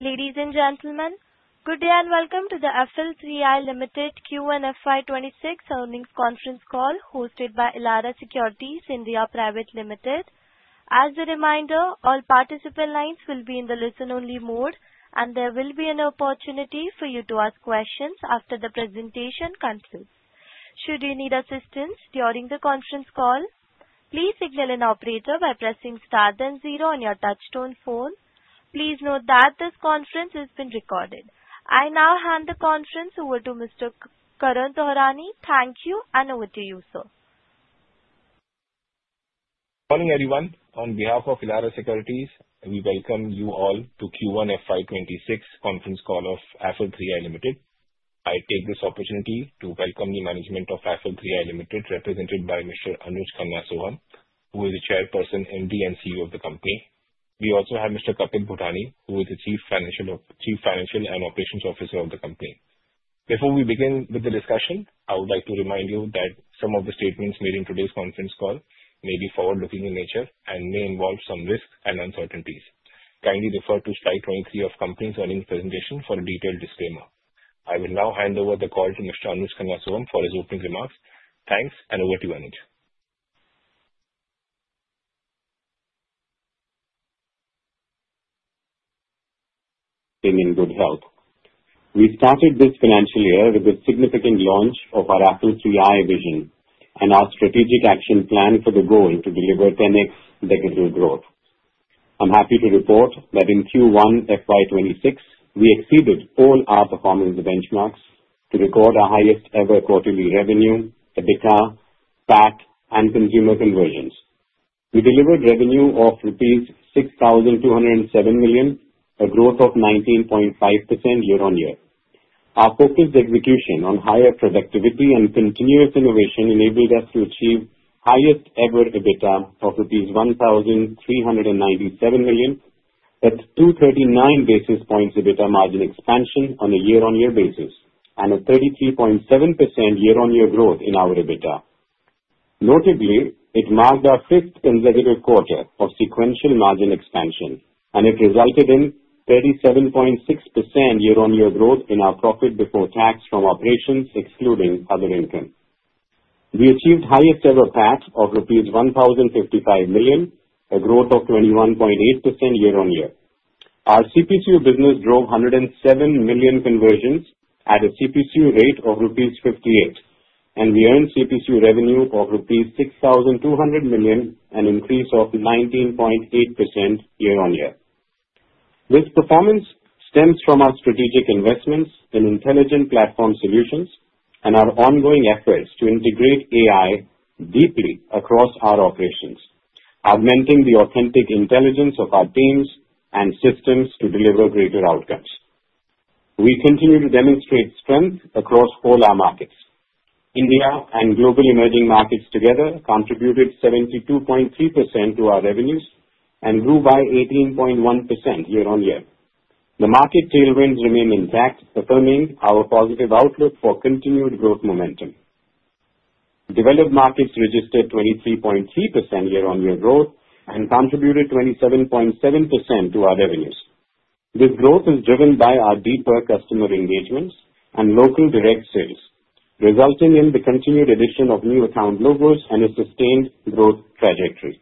Ladies and gentlemen, good day, and welcome to the FL3I Limited Q1 FY 'twenty six Earnings Conference Call hosted by Elara Securities India Private Limited. As a reminder, all participant lines will be in the listen only mode, and there will be an opportunity for you to ask questions after the presentation concludes. Please note that this conference is being recorded. I now hand the conference over to Mr. Karan Duharani. Thank you, and over to you, sir. Good morning, everyone. On behalf of Elara Securities, we welcome you all to Q1 FY 'twenty six conference call of Affleck 3i Limited. I take this opportunity to welcome the management of Affleck 3i Limited represented by Mr. Anuj Kangasohan, who is the chairperson, MD and CEO of the company. We also have Mr. Kapil Bhutani, who is the Chief Financial and Operations Officer of the company. Before we begin with the discussion, I would like to remind you that some of the statements made in today's conference call may be forward looking in nature and may involve some risks and uncertainties. Kindly refer to Slide 23 of company's earnings presentation for a detailed disclaimer. I will now hand over the call to Mr. Anuj Kangaswam for his opening remarks. Thanks, and over to you, Anuj. We started this financial year with a significant launch of our Apple III Vision and our strategic action plan for the goal to deliver 10x Decatur growth. I'm happy to report that in Q1 FY twenty twenty six, we exceeded all our performance benchmarks to record our highest ever quarterly revenue, EBITDA, PAT and consumer conversions. We delivered revenue of Rs. 6,207 million, a growth of 19.5% year on year. Our focused execution on higher productivity and continuous innovation enabled us to achieve highest ever EBITDA of Rs. $1,397,000,000, a two thirty nine basis points EBITDA margin expansion on a year on year basis and a 33.7% year on year growth in our EBITDA. Notably, it marked our fifth consecutive quarter of sequential margin expansion and it resulted in 37.6% year on year growth in our profit before tax from operations excluding other income. We achieved highest ever PAT of Rs. $1,055,000,000, a growth of 21.8% year on year. Our CPCU business drove 107,000,000 conversions at a CPCU rate of Rs. 58 and we earned CPU revenue of Rs. 6,200 million, an increase of 19.8% year on year. This performance stems from our strategic investments in intelligent platform solutions and our ongoing efforts to integrate AI deeply across our operations, augmenting the authentic intelligence of our teams and systems to deliver greater outcomes. We continue to demonstrate strength across all our markets. India and global emerging markets together contributed 72.3% to our revenues and grew by 18.1% year on year. The market tailwinds remain intact, affirming our positive outlook for continued growth momentum. Developed markets registered 23.3% year on year growth and contributed 27.7% to our revenues. This growth is driven by our deeper customer engagements and local direct sales, resulting in the continued addition of new account logos and a sustained growth trajectory.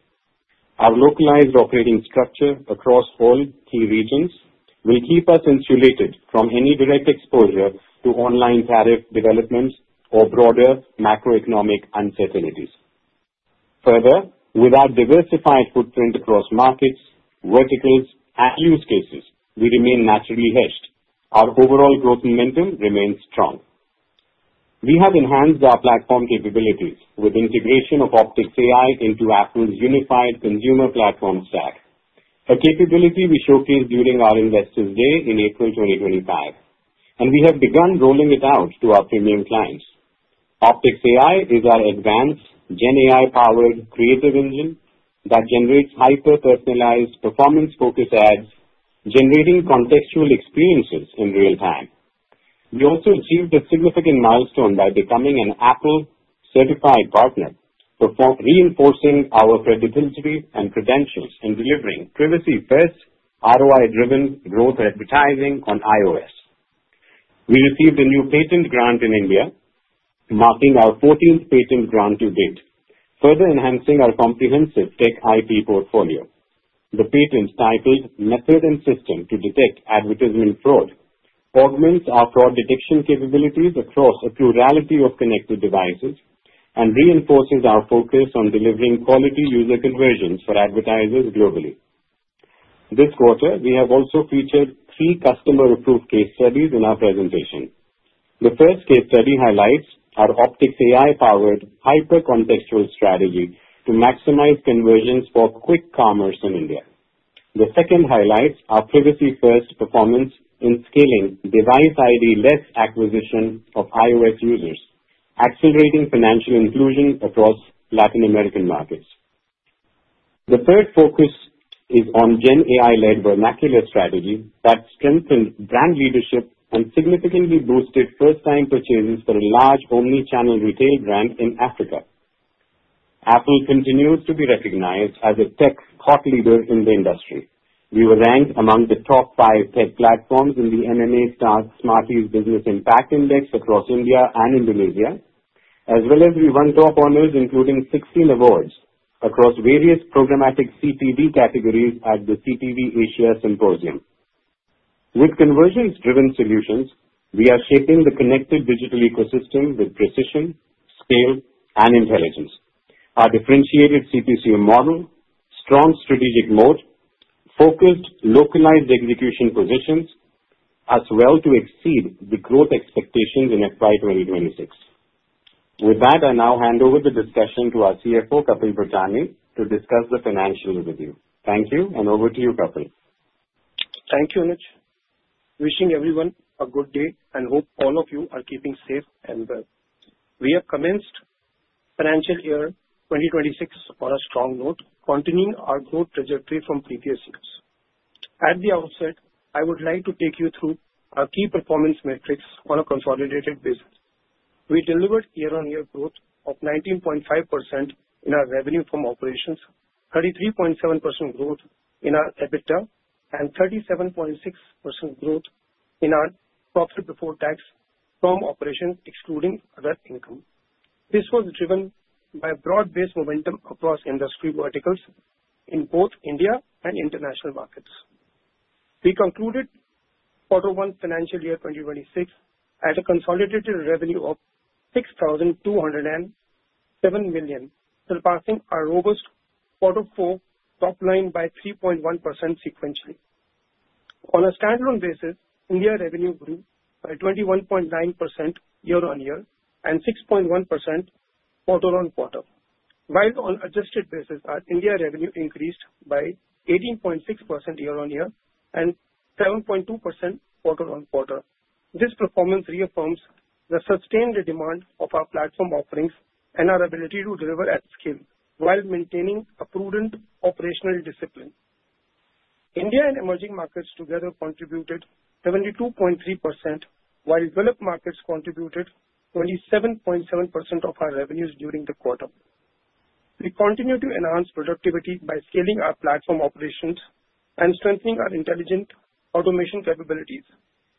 Our localized operating structure across all key regions will keep us insulated from any direct exposure to online tariff developments or broader macroeconomic uncertainties. Further, with our diversified footprint across markets, verticals and use cases, we remain naturally hedged. Our overall growth momentum remains strong. We have enhanced our platform capabilities with integration of Optics AI into Apple's unified consumer platform stack, a capability we showcased during our Investor Day in April 2025, and we have begun rolling it out to our premium clients. Optics AI is our advanced Gen AI powered creative engine that generates hyper personalized performance focused ads, generating contextual experiences in real time. We also achieved a significant milestone by becoming an Apple certified partner for reinforcing our credibility and credentials in delivering privacy first, ROI driven growth advertising on iOS. We received a new patent grant in India, marking our fourteenth patent grant to date, further enhancing our comprehensive tech IP portfolio. The patent titled Method and System to Detect Advertisement Fraud augments our fraud detection capabilities across a plurality of connected devices and reinforces our focus on delivering quality user conversions for advertisers globally. This quarter, we have also featured three customer approved case studies in our presentation. The first case study highlights our Optics AI powered hyper contextual strategy to maximize conversions for quick commerce in India. The second highlights our Privacy First performance in scaling device ID less acquisition of iOS users, accelerating financial inclusion across Latin American markets. The third focus is on Gen AI led vernacular strategy that strengthened brand leadership and significantly boosted first time purchases for a large omni channel retail brand in Africa. Apple continues to be recognized as a tech thought leader in the industry. We were ranked among the top five tech platforms in the MMA Star Smarties Business Impact Index across India and Indonesia, as well as we won top honors including 16 awards across various programmatic CTV categories at the CTV Asia Symposium. With convergence driven solutions, we are shaping the connected digital ecosystem with precision, scale and intelligence. Our differentiated CPCO model, strong strategic moat, focused localized execution positions us well to exceed the growth expectations in FY 2026. With that, I now hand over the discussion to our CFO, Kapil Pratani, to discuss the financial review. Thank you, and over to you, Kapil. Thank you, Anuj. Wishing everyone a good day, and hope all of you are keeping safe and well. We have commenced financial year 2026 on a strong note, continuing our growth trajectory from previous years. At the outset, I would like to take you through our key performance metrics on a consolidated basis. We delivered year on year growth of 19.5% in our revenue from operations, 33.7% growth in our EBITDA and 37.6 growth in our profit before tax from operations excluding other income. This was driven by broad based momentum across industry verticals in both India and international markets. We concluded quarter one financial year twenty twenty six at a consolidated revenue of thousand $207,000,000 surpassing our robust quarter four top line by 3.1% sequentially. On a stand alone basis, India revenue grew by 21.9% year on year and 6.1% quarter on quarter, while on adjusted basis, our India revenue increased by 18.6 year on year and 7.2% quarter on quarter. This performance reaffirms the sustained demand of our platform offerings and our ability to deliver at scale while maintaining a prudent operational discipline. India and emerging markets together contributed 72.3%, while developed markets contributed 27.7% of our revenues during the quarter. We continue to enhance productivity by scaling our platform operations and strengthening our intelligent automation capabilities.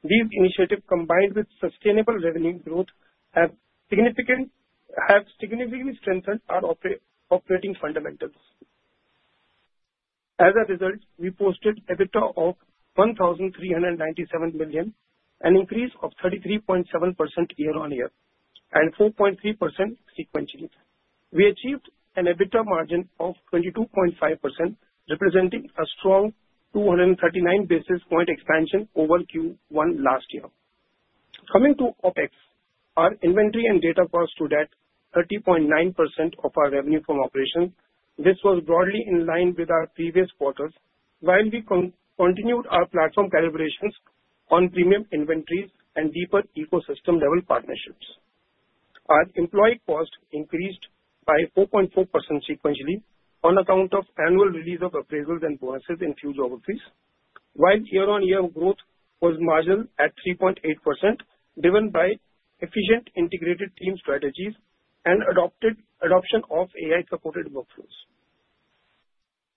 These initiatives combined with sustainable revenue growth have significantly strengthened our operating fundamentals. As a result, we posted EBITDA of 97,000,000 an increase of 33.7% year on year and 4.3% sequentially. We achieved an EBITDA margin of 22.5%, representing a strong two thirty nine basis point expansion over Q1 last year. Coming to OpEx. Our inventory and data cost stood at 30.9% of our revenue from operations. This was broadly in line with our previous quarters, while we continued our platform collaborations on premium inventories and deeper ecosystem level partnerships. Our employee cost increased by 4.4% sequentially on account of annual release of appraisals and bonuses in few geographies, while year on year growth was marginal at 3.8%, driven by efficient integrated team strategies and adoption of AI supported workflows.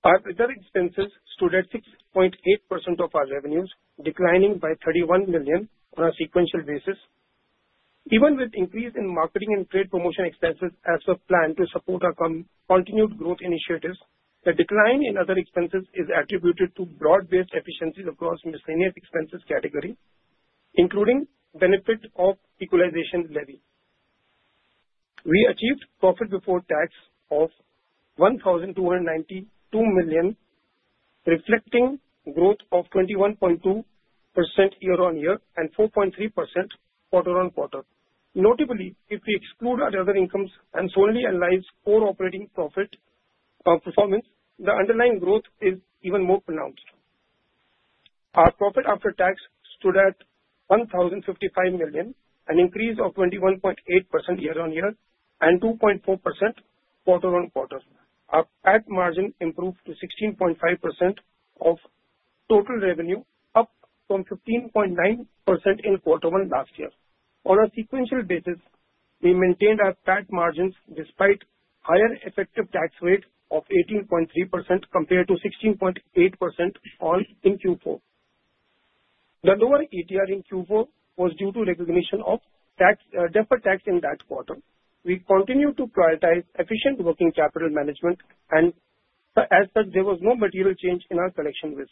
Our recurring expenses stood at 6.8% of our revenues, declining by $31,000,000 on a sequential basis. Even with increase in marketing and trade promotion expenses as per plan to support our continued growth initiatives, the decline in other expenses is attributed to broad based efficiencies across miscellaneous expenses category, including benefit of equalization levy. We achieved profit before tax of $92,000,000 reflecting growth of 21.2% year on year and 4.3% quarter on quarter. Notably, if we exclude our other incomes and solely analyze core operating profit performance, the underlying growth is even more pronounced. Our profit after tax stood at $1,055,000,000 dollars an increase of 21.8% year on year and 2.4% quarter on quarter. Our PAT margin improved to 16.5% of total revenue, up from 15.9% in quarter one last year. On a sequential basis, we maintained our TAC margins despite higher effective tax rate of 18.3% compared to 16.8% in Q4. The lower ETR in Q4 was due to recognition of deferred tax in that quarter. We continued to prioritize efficient working capital management and as such there was no material change in our collection risk.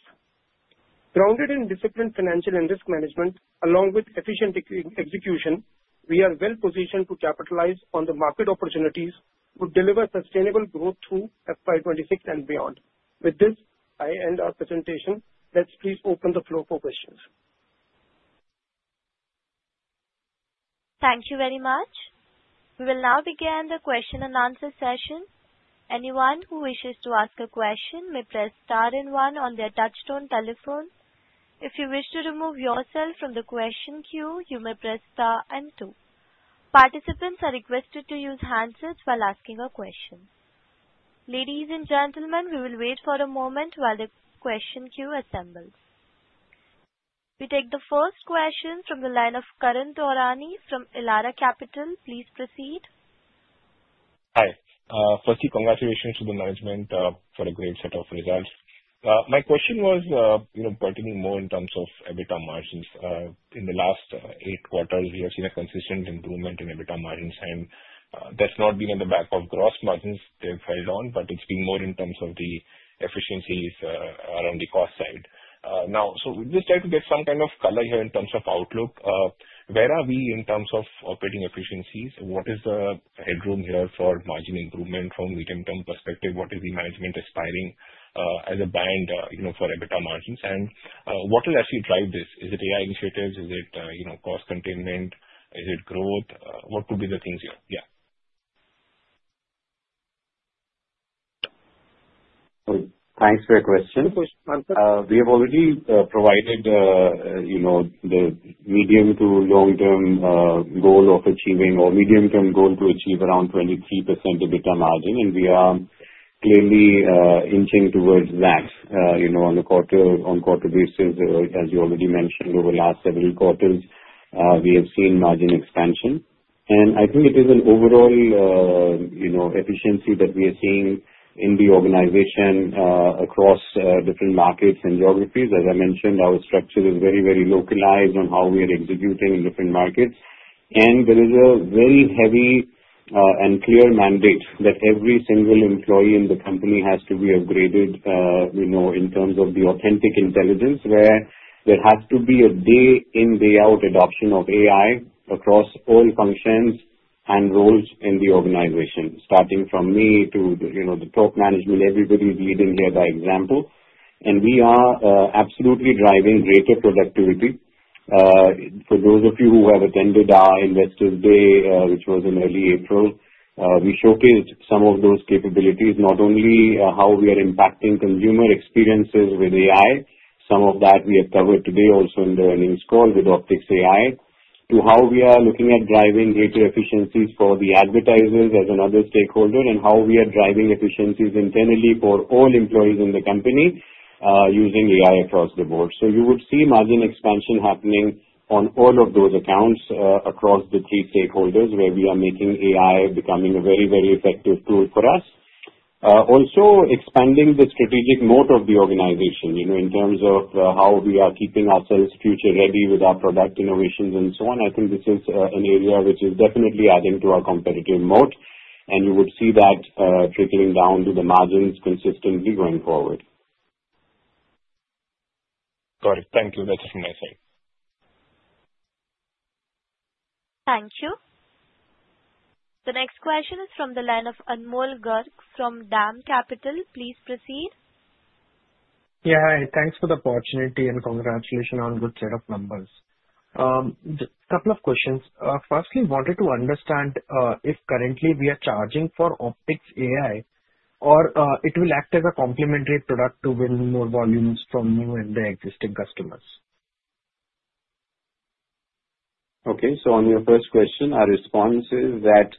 Grounded in disciplined financial and risk management, along with efficient execution, we are well positioned to capitalize on the market opportunities to deliver sustainable growth through FY 2026 and beyond. With this, I end our presentation. Let's please open the floor for questions. Thank you very much. We will now begin the question and answer session. Participants are requested to use handsets while asking a question. We take the first question from the line of Karun Dorani from Elara Capital. Firstly, congratulations to the management for a great set of results. My question was pointing more in terms of EBITDA margins. In the last eight quarters, we have seen a consistent improvement in EBITDA margins, and that's not been in the back of gross margins. They've held on, but it's been more in terms of the efficiencies around the cost side. Now so we just try to get some kind of color here in terms of outlook. Where are we in terms of operating efficiencies? What is the headroom here for margin improvement from medium term perspective? What is the management aspiring as a band for EBITDA margins? And what will actually drive this? Is it AI initiatives? Is it cost containment? Is it growth? What could be the things here? Yes. Thanks for your question. We have already provided the medium to long term goal of achieving or medium term goal to achieve around 23% EBITDA margin, and we are clearly inching towards that on a quarter on quarter basis. As you already mentioned, over the last several quarters, we have seen margin expansion. And I think it is an overall efficiency that we are seeing in the organization across different markets and geographies. As I mentioned, our structure is very, very localized on how we are executing in different markets. And there is a very heavy and clear mandate that every single employee in the company has to be upgraded in terms of the authentic intelligence where there has to be a day in, day out adoption of AI across all functions and roles in the organization, starting from me to the top management, everybody is leading here by example. And we are absolutely driving greater productivity. For those of you who have attended our Investor Day, which was in early April, we showcased some of those capabilities, not only how we are impacting consumer experiences with AI, some of that we have covered today also in the earnings call with Optics AI, to how we are looking at driving greater efficiencies for the advertisers as another stakeholder and how we are driving efficiencies internally for all employees in the company using AI across the board. So, you would see margin expansion happening on all of those accounts across the three stakeholders where we are making AI becoming a very, very effective tool for us. Also, expanding the strategic moat of the organization in terms of how we are keeping ourselves future ready with our product innovations and so on, I think this is an area which is definitely adding to our competitive moat and you would see that trickling down to the margins consistently going forward. Got it. Thank you. That's it from my side. Thank you. The next question is from the line of Anmol Gurk from DAM Capital. Please proceed. Yeah. Hi. Thanks for the opportunity, and congratulation on good set of numbers. Couple of questions. Firstly, wanted to understand if currently we are charging for Optics AI or it will act as a complementary product to win more volumes from new and the existing customers? Okay. So on your first question, our response is that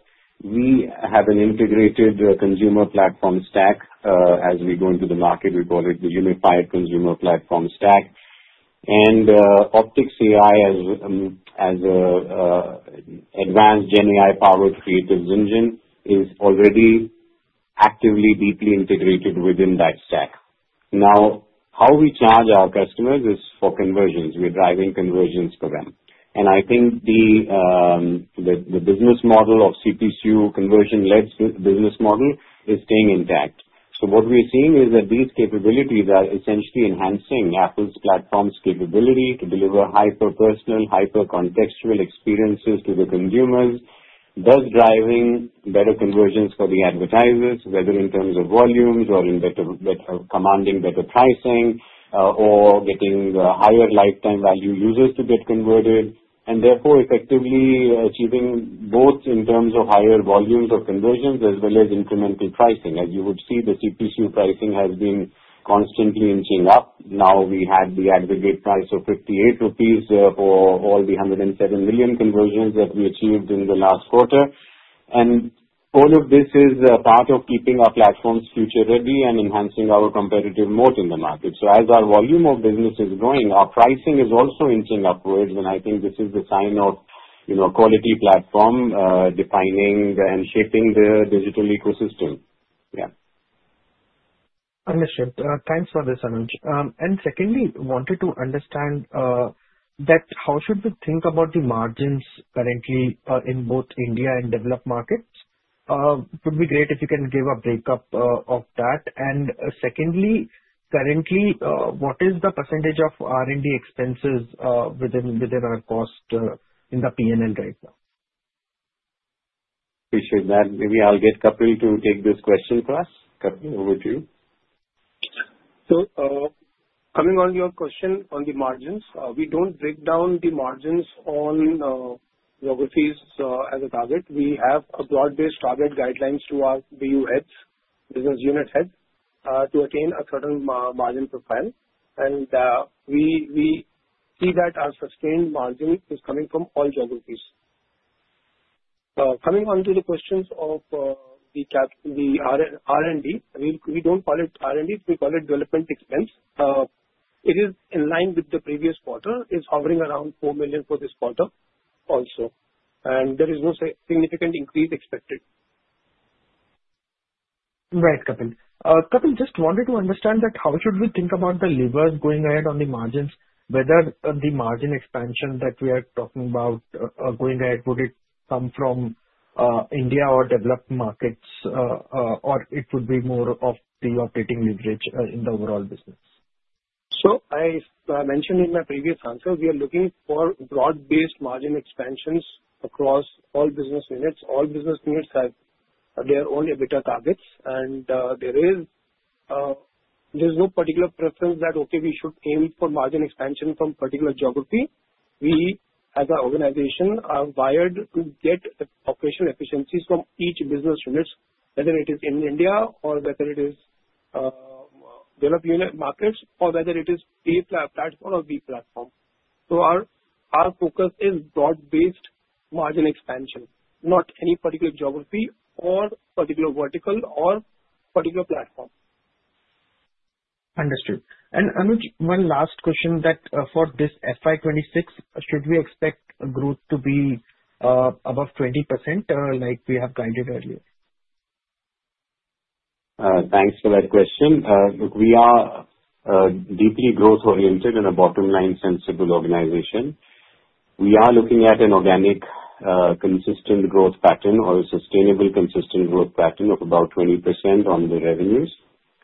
we have an integrated consumer platform stack as we go into the market, we call it the unified consumer platform stack. And Optics dot ai as an advanced GenAI powered creative engine is already actively deeply integrated within that stack. Now, how we charge our customers is for conversions. We're driving conversions for them. And I think the business model of CPU conversion led business model is staying intact. So what we're seeing is that these capabilities are essentially enhancing Apple's platform's capability to deliver hyper personal, hyper contextual experiences to the consumers, thus driving better conversions for the advertisers, whether in terms of volumes or commanding better pricing or getting higher lifetime value users to get converted, and therefore effectively achieving both in terms of higher volumes of conversions as well as incremental pricing. As you would see, the CPU pricing has been constantly inching up. Now we had the aggregate price of 58 rupees for all the 107,000,000 conversions that we achieved in the last quarter. And all of this is part of keeping our platforms future ready and enhancing our competitive moat in the market. So as our volume of business is growing, our pricing is also inching upwards. And I think this is the sign of quality platform defining and shaping the digital ecosystem. Understood. Thanks for this, Anuj. And secondly, wanted to understand that how should we think about the margins currently in both India and developed markets? It would be great if you can give a breakup of that. And secondly, currently, what is the percentage of R and D expenses within our cost in the P and L right now? Appreciate that. Maybe I'll get Kapri to take this question, Prahash. Kapri, over to you. So coming on your question on the margins, we don't break down the margins on geographies as a target. We have a broad based target guidelines to our BU heads, business unit head, to attain a certain margin profile, and we we see that our sustained margin is coming from all geographies. Coming on to the questions of the cap the r r and d, we we don't call it r and d. We call it development expense. It is in line with the previous quarter. It's hovering around 4,000,000 for this quarter also. And there is no significant increase expected. Right, Kapil. Kapil, wanted to understand that how should we think about the levers going ahead on the margins, whether the margin expansion that we are talking about going ahead, would it come from India or developed markets or it would be more of the operating leverage in the overall business? So I mentioned in my previous answer, we are looking for broad based margin expansions across all business units. All business units have their own EBITDA targets, and there is there's no particular preference that, okay, we should aim for margin expansion from particular geography. We, as our organization, are wired to get operational efficiencies from each business units, whether it is in India or whether it is developed unit markets or whether it is a platform or b platform. So our focus is broad based margin expansion, not any particular geography or particular vertical or particular platform. Understood. And Anuj, one last question that for this FY 2026, should we expect growth to be above 20% like we have guided earlier? Thanks for that question. Look, we are deeply growth oriented and a bottom line sensible organization. We are looking at an organic consistent growth pattern or a sustainable consistent growth pattern of about 20% on the revenues.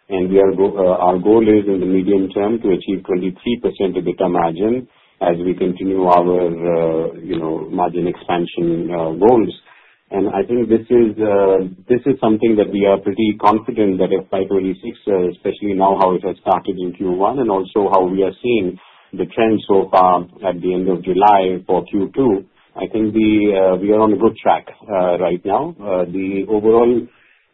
And our goal is in the medium term to achieve 23% EBITDA margin as we continue our margin expansion goals. And I think this is something that we are pretty confident that FY 2026, especially now how it has started in Q1 and also how we are seeing the trend so far at the July for Q2, I think we are on a good track right now. The overall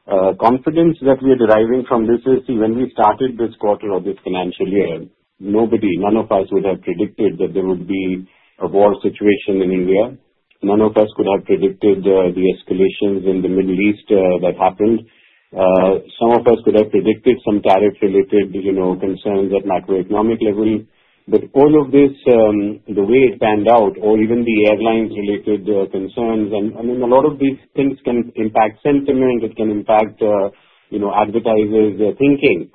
confidence that we are deriving from this is, see, when we started this quarter of this financial year, nobody, none of us would have predicted that there would be a war situation in India. None of us could have predicted the escalations in The Middle East that happened. Some of us could have predicted some tariff related concerns at macroeconomic level. But all of this, the way it panned out or even the airlines related concerns, I mean, a lot of these things can impact sentiment, it can impact advertisers' thinking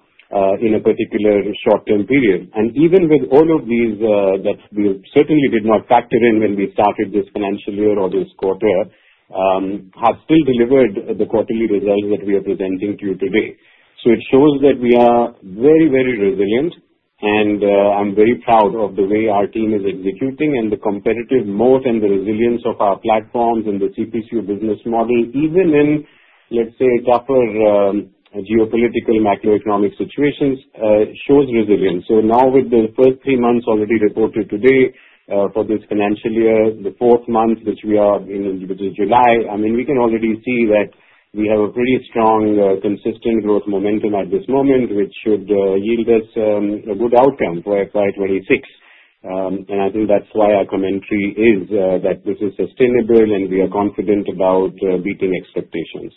in a particular short term period. And even with all of these that we certainly did not factor in when we started this financial year or this quarter, have still delivered the quarterly results that we are presenting to you today. So, it shows that we are very, very resilient, and I'm very proud of the way our team is executing and the competitive moat and the resilience of our platforms in the CPU business model, even in, let's say, tougher geopolitical macroeconomic situations shows resilience. So now with the first three months already reported today for this financial year, the fourth month, which we are in July, I mean, we can already see that we have a pretty strong consistent growth momentum at this moment, which should yield us a good outcome for FY 2026. And I think that's why our commentary is that this is sustainable and we are confident about beating expectations.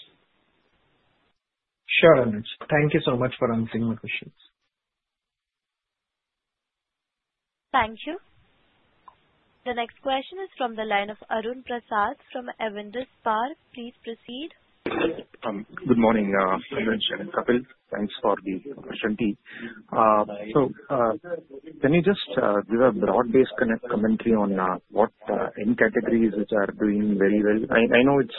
Sure, Anuj. Thank you so much for answering my questions. Thank you. The next question is from the line of Arun Prasad from Avanish Par. So can you just give a broad based commentary on what end categories which are doing very well? I know it's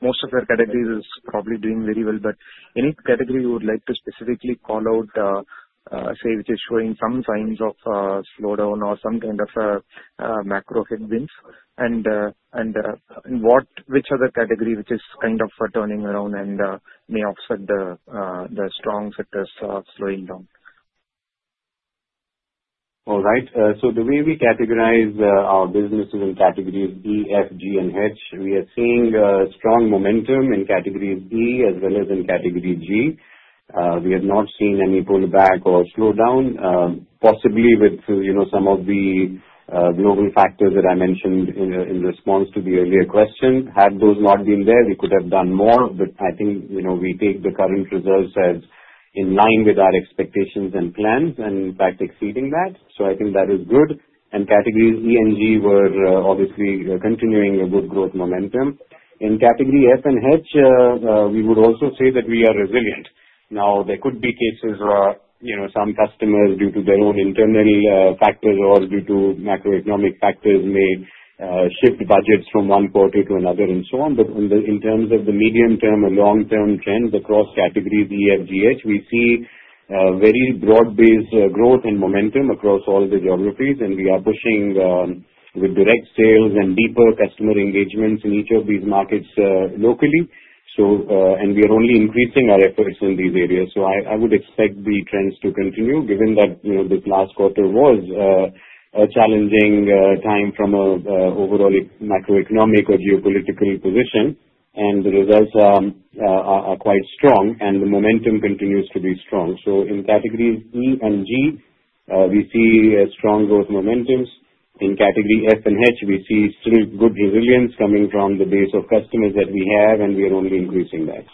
most of your categories is probably doing very well, but any category you would like to specifically call out, say, which is showing some signs of slowdown or some kind of macro headwinds? And what which are the category which is kind of turning around and may offset the strong sectors slowing down? All right. So the way we categorize our businesses in categories B, F, G and H, we are seeing strong momentum in categories E as well as in category G. We have not seen any pullback or slowdown, possibly with some of the global factors that I mentioned in response to the earlier question. Had those not been there, we could have done more. But I think we take the current results as in line with our expectations and plans and, in fact, exceeding that. So I think that is good. And categories E and G were obviously continuing a good growth momentum. In category F and H, we would also say that we are resilient. Now there could be cases where some customers, due to their own internal factors or due to macroeconomic factors may shift budgets from one quarter to another and so on. But in terms of the medium term and long term trends across categories, EFGH, we see very broad based growth and momentum across all the geographies, and we are pushing with direct sales and deeper customer engagements in each of these markets locally. So and we are only increasing our efforts in these areas. So, I would expect the trends to continue given that this last quarter was a challenging time from an overall macroeconomic or geopolitical position, and the results are quite strong and the momentum continues to be strong. So, in categories E and G, we see strong growth momentums. In category F and H, we see still good resilience coming from the base of customers that we have, and we are only increasing that.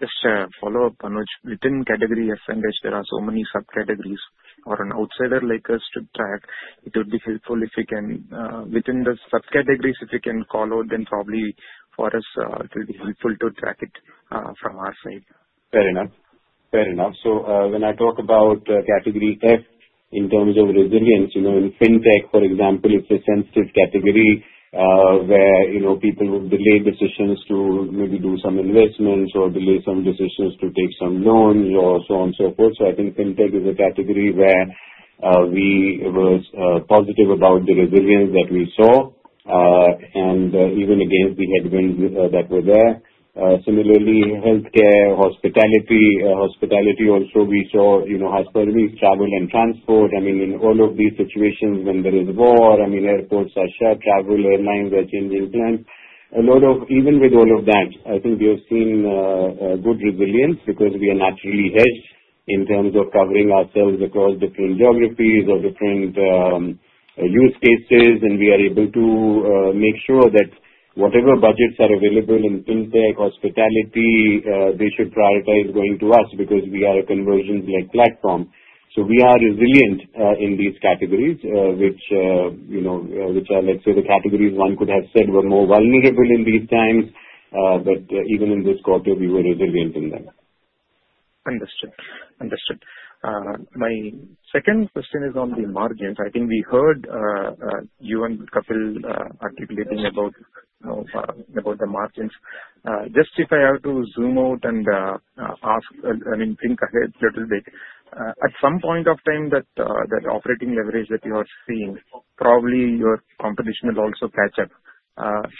Just a follow-up, Anuj. Within category F and H, there are so many subcategories or an outsider like us to track. It would be helpful if we can within the subcategories, if we can call out, then probably for us, it will be helpful to track it from our side. Fair enough. Fair enough. So, I talk about category theft in terms of resilience, in fintech, for example, it's a sensitive category where people would delay decisions to maybe do some investments or delay some decisions to take some loans or so on and so forth. So, I think fintech is a category where we were positive about the resilience that we saw and even against the headwinds that were there. Similarly, healthcare, hospitality, hospitality also we saw as per week travel and transport, I mean, in all of these situations when there is war, I mean, are shut, travel airlines are changing plans. A lot of even with all of that, I think we have seen good resilience because we are naturally hedged in terms of covering ourselves across different geographies or different use cases, and we are able to make sure that whatever budgets are available in fintech, hospitality, they should prioritize going to us because we are a conversion led platform. So we are resilient in these categories, which are, let's say, the categories one could have said were more vulnerable in these times. But even in this quarter, we were resilient in them. Understood. Understood. My second question is on the margins. I think we heard you and Kapil articulating about the margins. Just if I have to zoom out and ask, I mean, think ahead a little bit. At some point of time that operating leverage that you are seeing, probably your competition will also catch up.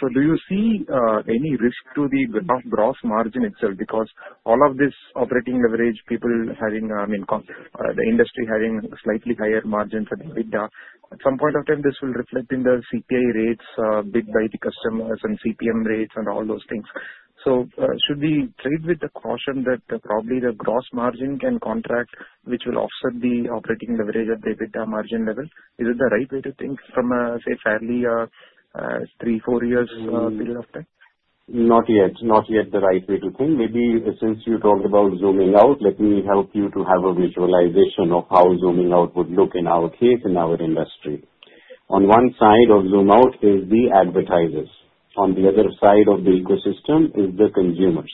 So do you see any risk to the gross margin itself because all of this operating leverage, people having I mean, industry having slightly higher margins and EBITDA. At some point of time, this will reflect in the CPI rates bid by the customers and CPM rates and all those things. So should we trade with the caution that probably the gross margin can contract, which will offset the operating leverage at the EBITDA margin level? Is it the right way to think from a, say, fairly three, four years period of time? Not yet. Not yet the right way to think. Maybe since you talked about zooming out, let me help you to have a visualization of how zooming out would look in our case in our industry. On one side of zoom out is the advertisers. On the other side of the ecosystem is the consumers.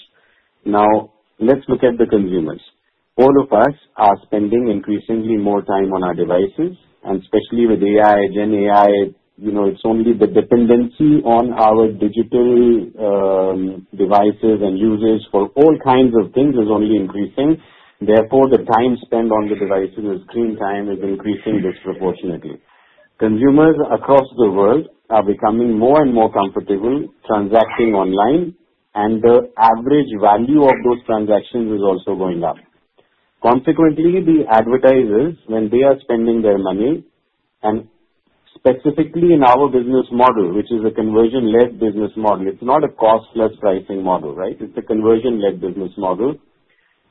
Now let's look at the consumers. All of us are spending increasingly more time on our devices and especially with AI, Gen AI, it's only the dependency on our digital devices and users for all kinds of things is only increasing. Therefore, the time spent on the devices, screen time is increasing disproportionately. Consumers across the world are becoming more and more comfortable transacting online and the average value of those transactions is also going up. Consequently, the advertisers when they are spending their money and specifically in our business model, which is a conversion led business model, it's not a cost plus pricing model, right? It's a conversion led business model.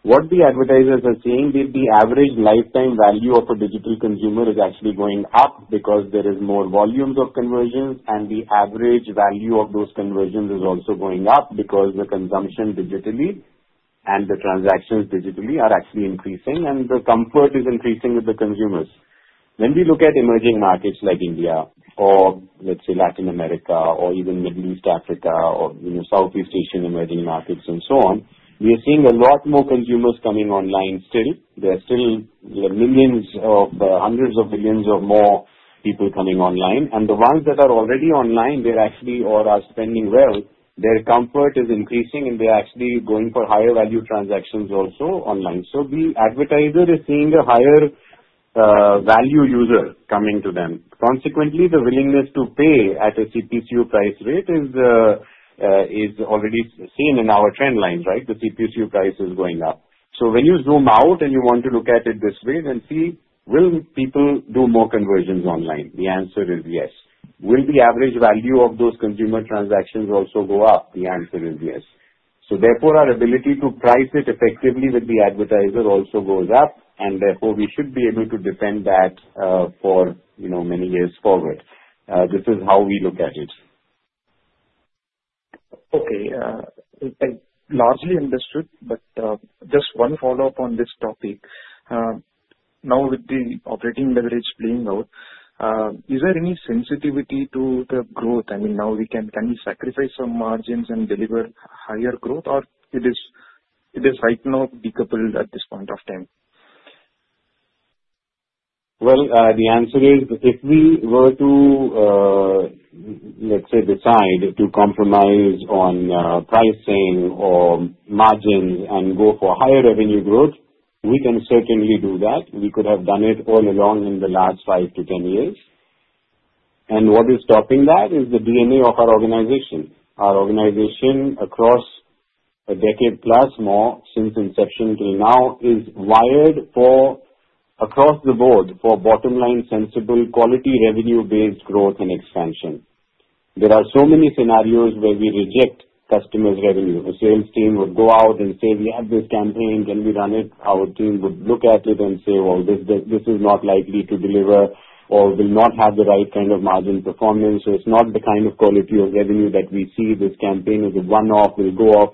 What the advertisers are seeing is the average lifetime value of a digital consumer is actually going up because there is more volumes of conversions and the average value of those conversions is also going up because the consumption digitally and the transactions digitally are actually increasing and the comfort is increasing with the consumers. When we look at emerging markets like India or let's say Latin America or even Middle East Africa or Southeast Asian emerging markets and so on, we are seeing a lot more consumers coming online still. There are still millions of hundreds of millions of more people coming online. And the ones that are already online, they're actually or are spending well, their comfort is increasing and they're actually going for higher value transactions also online. So the advertiser is seeing a higher value user coming to them. Consequently, the willingness to pay at a CPU price rate is already seen in our trend lines, right? The CPU price is going up. When you zoom out and you want to look at it this way, then see will people do more conversions online? The answer is yes. Will the average value of those consumer transactions also go up? The answer is yes. So therefore, our ability to price it effectively with the advertiser also goes up. And therefore, we should be able to defend that for many years forward. This is how we look at it. Largely understood, but just one follow-up on this topic. Now with the operating leverage playing out, is there any sensitivity to the growth? I mean, now we can sacrifice some margins and deliver higher growth? Or it is right now decoupled at this point of time? Well, the answer is, if we were to, let's say, decide to compromise on pricing or margins and go for higher revenue growth, we can certainly do that. We could have done it all along in the last five to ten years. And what is stopping that is the DNA of our organization. Our organization across a decade plus more since inception till now is wired for across the board for bottom line sensible quality revenue based growth and expansion. There are so many scenarios where we reject customers' revenue. The sales team would go out and say, we have this campaign, can we run it? Our team would look at it and say, well, this is not likely to deliver or will not have the right kind of margin performance. So, it's not the kind of quality of revenue that we see. This campaign is a one off, will go off.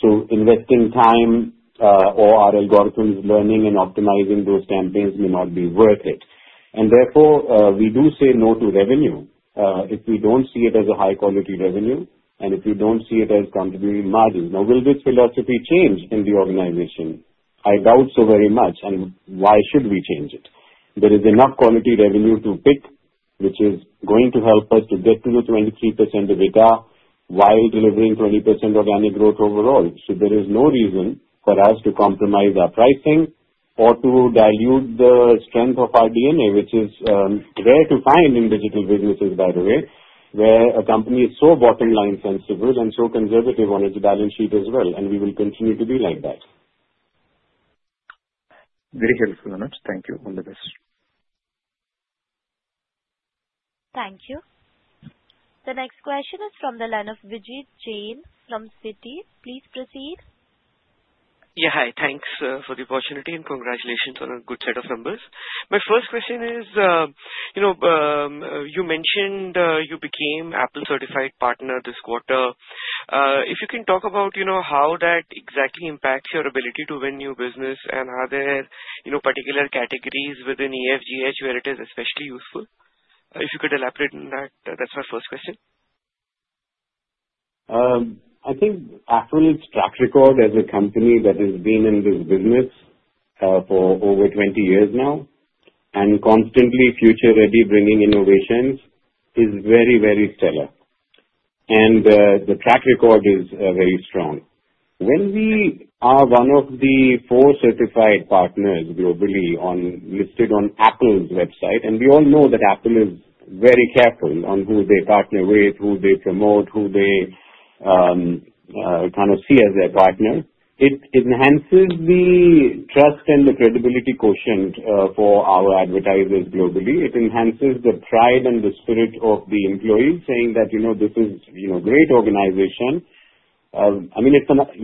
So, investing time or our algorithms learning and optimizing those campaigns may not be worth it. And therefore, we do say no to revenue if we don't see it as a high quality revenue and if we don't see it as contributing margin. Now, will this philosophy change in the organization? I doubt so very much. And why should we change it? There is enough quality revenue to pick, which is going to help us to get to the 23% EBITDA while delivering 20% organic growth overall. So there is no reason for us to compromise our pricing or to dilute the strength of our DNA, which is rare to find in digital businesses, by the way, where a company is so bottom line sensitive and so conservative on its balance sheet as well, and we will continue to be like that. Very helpful, Anat. Thank you. All the best. Thank you. The next question is from the line of Vijay Jayant from Citi. Please proceed. Yes. Hi. Thanks for the opportunity and congratulations on a good set of numbers. My first question is, you mentioned you became Apple certified partner this quarter. If you can talk about how that exactly impacts your ability to win new business and are there particular categories within EFGH where it is especially useful? If you could elaborate on that. That's my first question. I think, Afrolit's track record as a company that has been in this business for over twenty years now and constantly future ready bringing innovations is very, very stellar. And the track record is very strong. When we are one of the four certified partners globally listed on Apple's website, and we all know that Apple is very careful on who they partner with, who they promote, who they kind of see as their partner. It enhances the trust and the credibility quotient for our advertisers globally. It enhances the pride and the spirit of the employees saying that this is a great organization. I mean,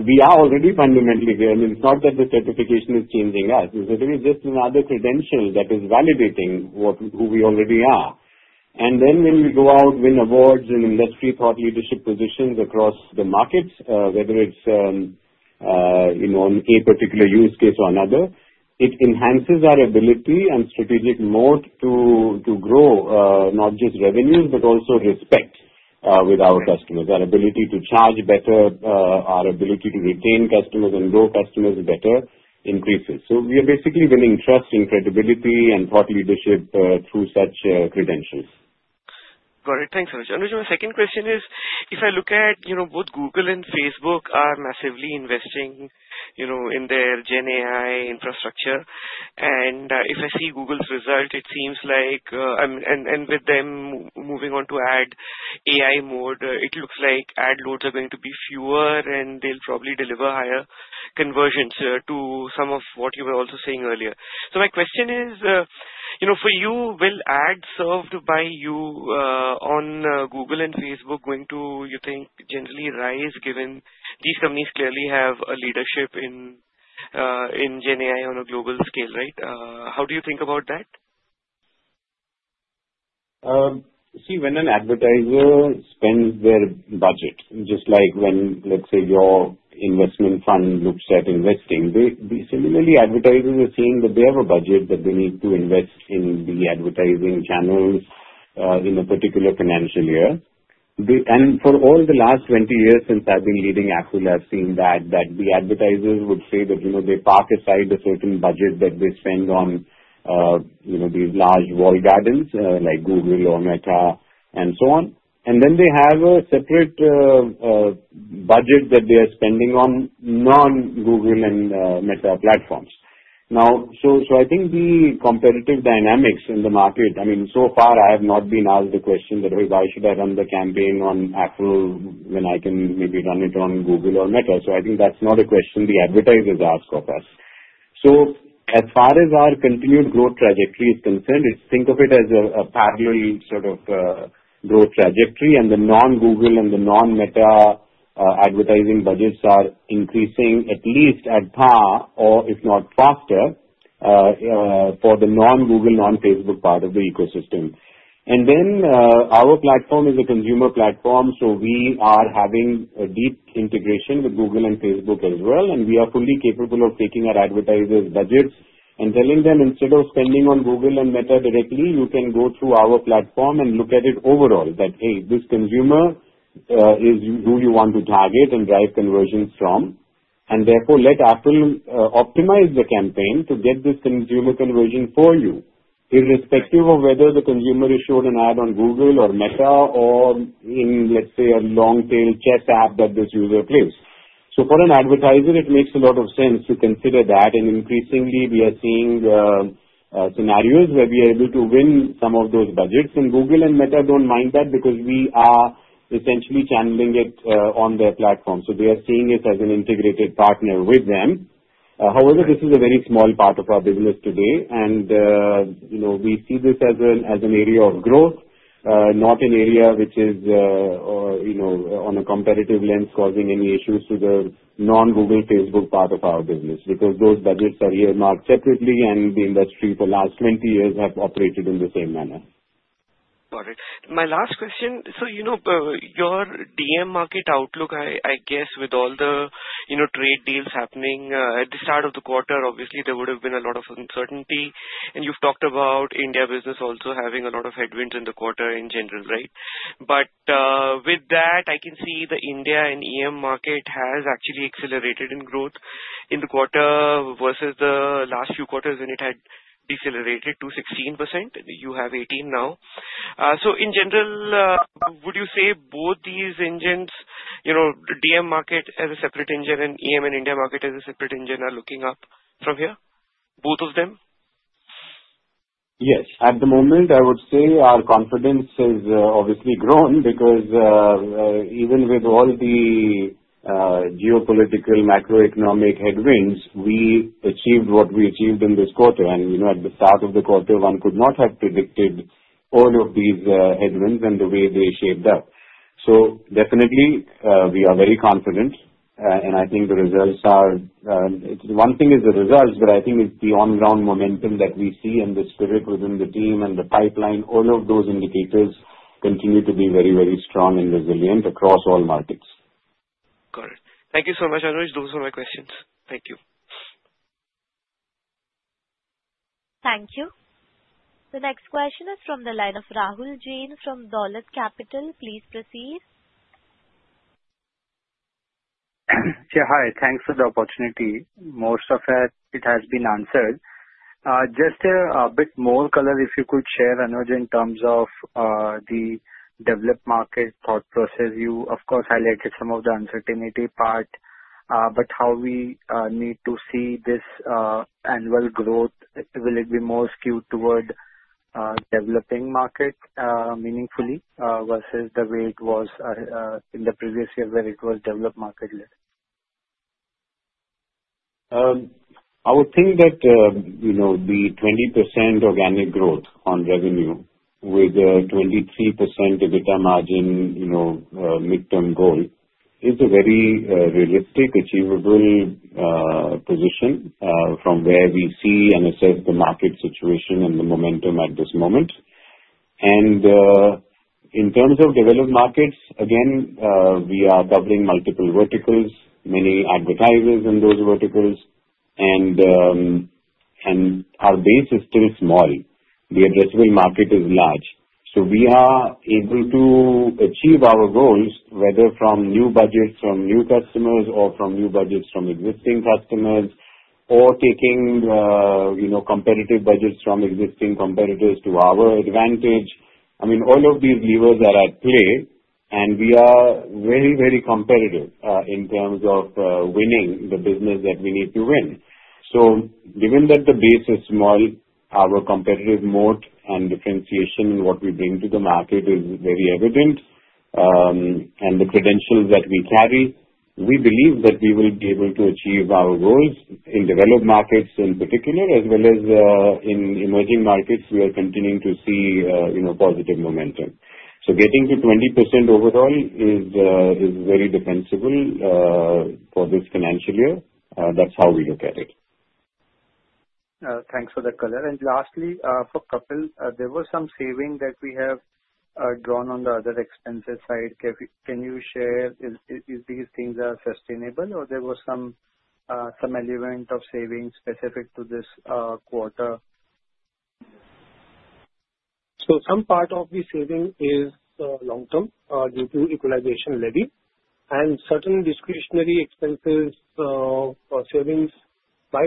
we are already fundamentally there. I mean, it's not that the certification is changing us. It's really just another credential that is validating who we already are. And then when we go out, win awards in industry thought leadership positions across the markets, whether it's on a particular use case or another, it enhances our ability and strategic moat to grow not just revenues, but also respect with our customers. Our ability to charge better, our ability to retain customers and grow customers better increases. So we are basically winning trust and credibility and thought leadership through such credentials. Got it. Thanks, Rajan. My second question is, if I look at both Google and Facebook are massively investing in their Gen AI infrastructure. And if I see Google's result, it seems like and with them moving on to ad AI mode, looks like ad loads are going to be fewer and they'll probably deliver higher conversions to some of what you were also seeing earlier. So my question is, for you, will ad served by you on Google and Facebook going to, you think, generally rise given these companies clearly have a leadership in in GenAI on a global scale. Right? How do you think about that? See, when an advertiser spends their budget, just like when, let's say, your investment fund looks at investing, similarly, advertisers are seeing that they have a budget that they need to invest in the advertising channels in a particular financial year. And for all the last twenty years since I've been leading Akhul, I've seen that, that the advertisers would say that they park aside a certain budget that they spend these large walled gardens like Google or Meta and so on. And then they have a separate budget that they are spending on non Google and Meta platforms. Now so I think the competitive dynamics in the market, I mean, so far, I have not been asked the question that why should I run the campaign on Apple when I can maybe run it on Google or Meta. So I think that's not a question the advertisers ask of us. So as far as our continued growth trajectory is concerned, think of it as a parallel sort of growth trajectory and the non Google and the non Meta advertising budgets are increasing at least at par or if not faster for the non Google, non Facebook part of the ecosystem. And then our platform is a consumer platform, so we are having a deep integration with Google and Facebook as well, and we are fully capable of taking our advertisers' budgets and telling them instead of spending on Google and Meta directly, you can go through our platform and look at it overall that, hey, this consumer is who you want to target and drive conversions from and therefore let Apple optimize the campaign to get this consumer conversion for you irrespective of whether the consumer is shown an ad on Google or Meta or in, let's say, a long tail chess app that this user plays. So, for an advertiser, it makes a lot of sense to consider that. And increasingly, we are seeing scenarios where we are able to win some of those budgets. And Google and Meta don't mind that because we are essentially channeling it on their platform. So, are seeing it as an integrated partner with them. However, this is a very small part of our business today, and we see this as an area of growth, not an area which is on a competitive lens causing any issues to the non Google Facebook part of our business because those budgets are earmarked separately and the industry for last twenty years have operated in the same manner. Got it. My last question, so your DM market outlook, I guess, with all the trade deals happening at the start of the quarter, obviously, there would have been a lot of uncertainty. And you've talked about India business also having a lot of headwinds in the quarter in general, right? But with that, I can see the India and EM market has actually accelerated in growth in the quarter versus the last few quarters, and it had decelerated to 16%. You have 18% now. So in general, would you say both these engines, the DM market as a separate engine and EM in India market as a separate engine are looking up from here, both of them? Yes. At the moment, I would say our confidence has obviously grown because even with all the geopolitical macroeconomic headwinds, we achieved what we achieved in this quarter. And at the start of the quarter, one could not have predicted all of these headwinds and the way they shaped up. So definitely, we are very confident. And I think the results are one thing is the results, but I think it's the on ground momentum that we see and the spirit within the team and the pipeline, all of those indicators continue to be very, very strong and resilient across all markets. Got it. Thank you so much, Anuj. Those were my questions. Thank you. Thank you. The next question is from the line of Rahul Jain from DOLLET Capital. Please proceed. Yes. Hi. Thanks for the opportunity. Most of it has been answered. Just a bit more color, if you could share, Anuj, in terms of the developed market thought process. You, of course, highlighted some of the uncertainty part. But how we need to see this annual growth? Will it be more skewed toward developing market meaningfully versus the way it was in the previous year where it was developed market led? I would think that the 20% organic growth on revenue with 23% EBITDA margin mid term goal is a very realistic, achievable position from where we see and assess the market situation and the momentum at this moment. And in terms of developed markets, again, we are doubling multiple verticals, many advertisers in those verticals and our base is still small. The addressable market is large. So we are able to achieve our goals, whether from new budgets from new customers or from new budgets from existing customers or taking competitive budgets from existing competitors to our advantage. I mean, all of these levers are at play and we are very, very competitive in terms of winning the business that we need to win. So, given that the base is small, our competitive moat and differentiation in what we bring to the market is very evident and the credentials that we carry, we believe that we will be able to achieve our goals in developed markets, in particular, as well as in emerging markets, are continuing to see positive momentum. So getting to 20% overall is very defensible for this financial year. That's how we look at it. Thanks for the color. And lastly, for Kapil, there were some savings that we have drawn on the other expenses side. Can you share if these things are sustainable? Or there were element of savings specific to this quarter? So some part of the saving is long term due to equalization levy and certain discretionary expenses or savings might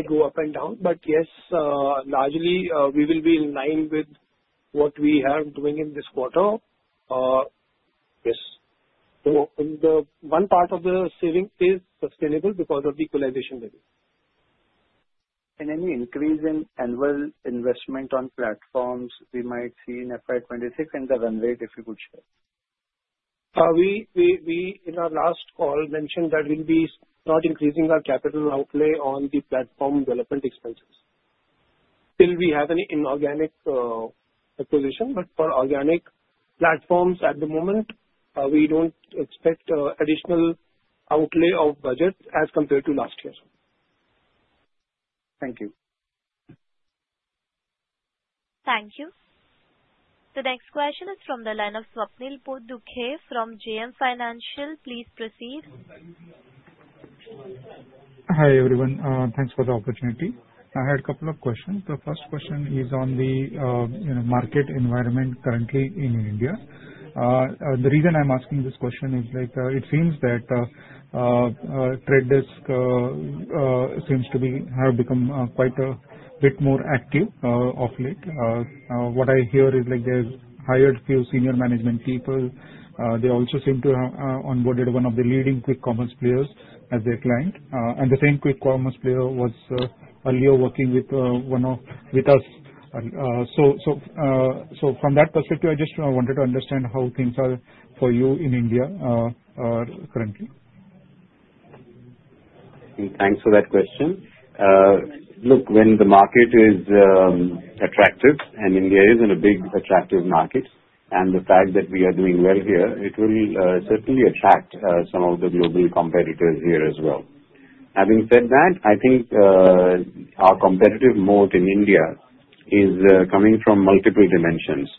go up and down. But, yes, largely, we will be in line with what we are doing in this quarter. Yes. So the one part of the saving is sustainable because of the equalization level. And any increase in annual investment on platforms, we might see in FY '26 and the run rate, if you could share. We we we, in our last call, mentioned that we'll be not increasing our capital outlay on the platform development expenses. Still, we have an inorganic acquisition, but for organic platforms at the moment, we don't expect additional outlay of budget as compared to last year. Thank you. Thank you. The next question is from the line of Swapnil Podhukha from GM Financial. Please proceed. Hi, everyone. Thanks for the opportunity. I had a couple of questions. The first question is on the market environment currently in India. The reason I'm asking this question is like it seems that TreadDesk seems to be have become quite a bit more active off late. What I hear is like they've hired few senior management people. They also seem to have onboarded one of the leading Quick Commerce players as their client. And the same Quick Commerce player was earlier working with us. So from that perspective, I just wanted to understand how things are for you in India currently? Thanks for that question. Look, when the market is attractive and India is in a big attractive market and the fact that we are doing well here, it will certainly attract some of the global competitors here as well. Having said that, I think our competitive moat in India is coming from multiple dimensions.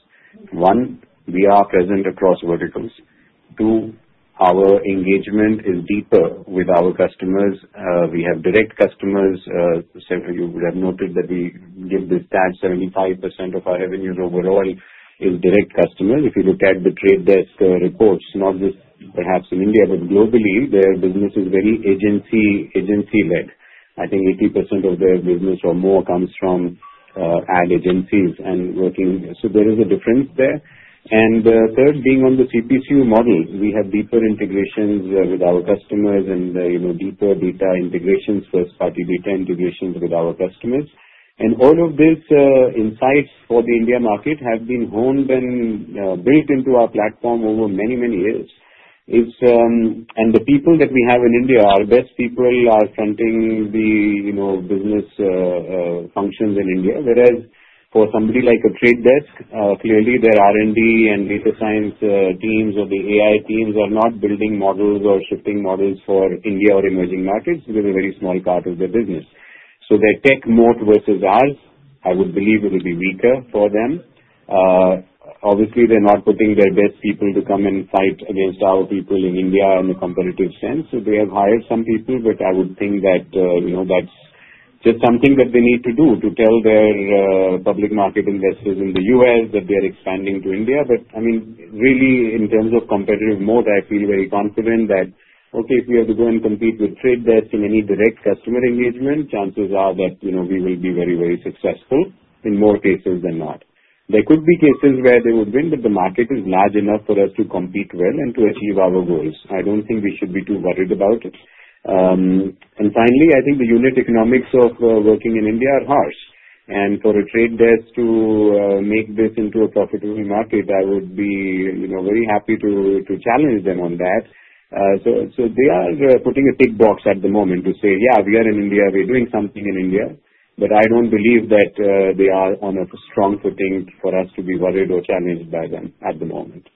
One, we are present across verticals. Two, our engagement is deeper with our customers. We have direct customers. Central, you would have noted that we give this stat 75% of our revenues overall is direct customer. If you look at The Trade Desk reports, not just perhaps in India, but globally, their business is very agency led. I think 80% of their business or more comes from ad agencies and working. So there is a difference there. And third, being on the CPU model, we have deeper integrations with our customers and deeper data integrations, first party data integrations with our customers. And all of these insights for the India market have been honed and built into our platform over many, many years. And the people that we have in India, our best people are fronting the business functions in India, whereas for somebody like a trade desk, clearly, R and D and data science teams or the AI teams are not building models or shifting models for India or emerging markets. They're a very small part of their business. So their tech moat versus ours, I would believe it will be weaker for them. Obviously, they're not putting their best people to come and fight against our people in India in a competitive sense. So they have hired some people, but I would think that that's just something that they need to do to tell their public market investors expanding to India. But I mean, really in terms of competitive moat, I feel very confident that, okay, we have to go and compete with trade bets in any direct customer engagement, chances are that we will be very, very successful in more cases than not. There could be cases where they would win, but the market is large enough for us to compete well and to achieve our goals. I don't think we should be too worried about it. And finally, I think the unit economics of working in India are harsh. And for a trade desk to make this into a profitable market, I would be very happy to challenge them on that. So they are putting a tick box at the moment to say, yes, we are in India, we're doing something in India, but I don't believe that they are on a strong footing for us to be worried or challenged by them at the moment.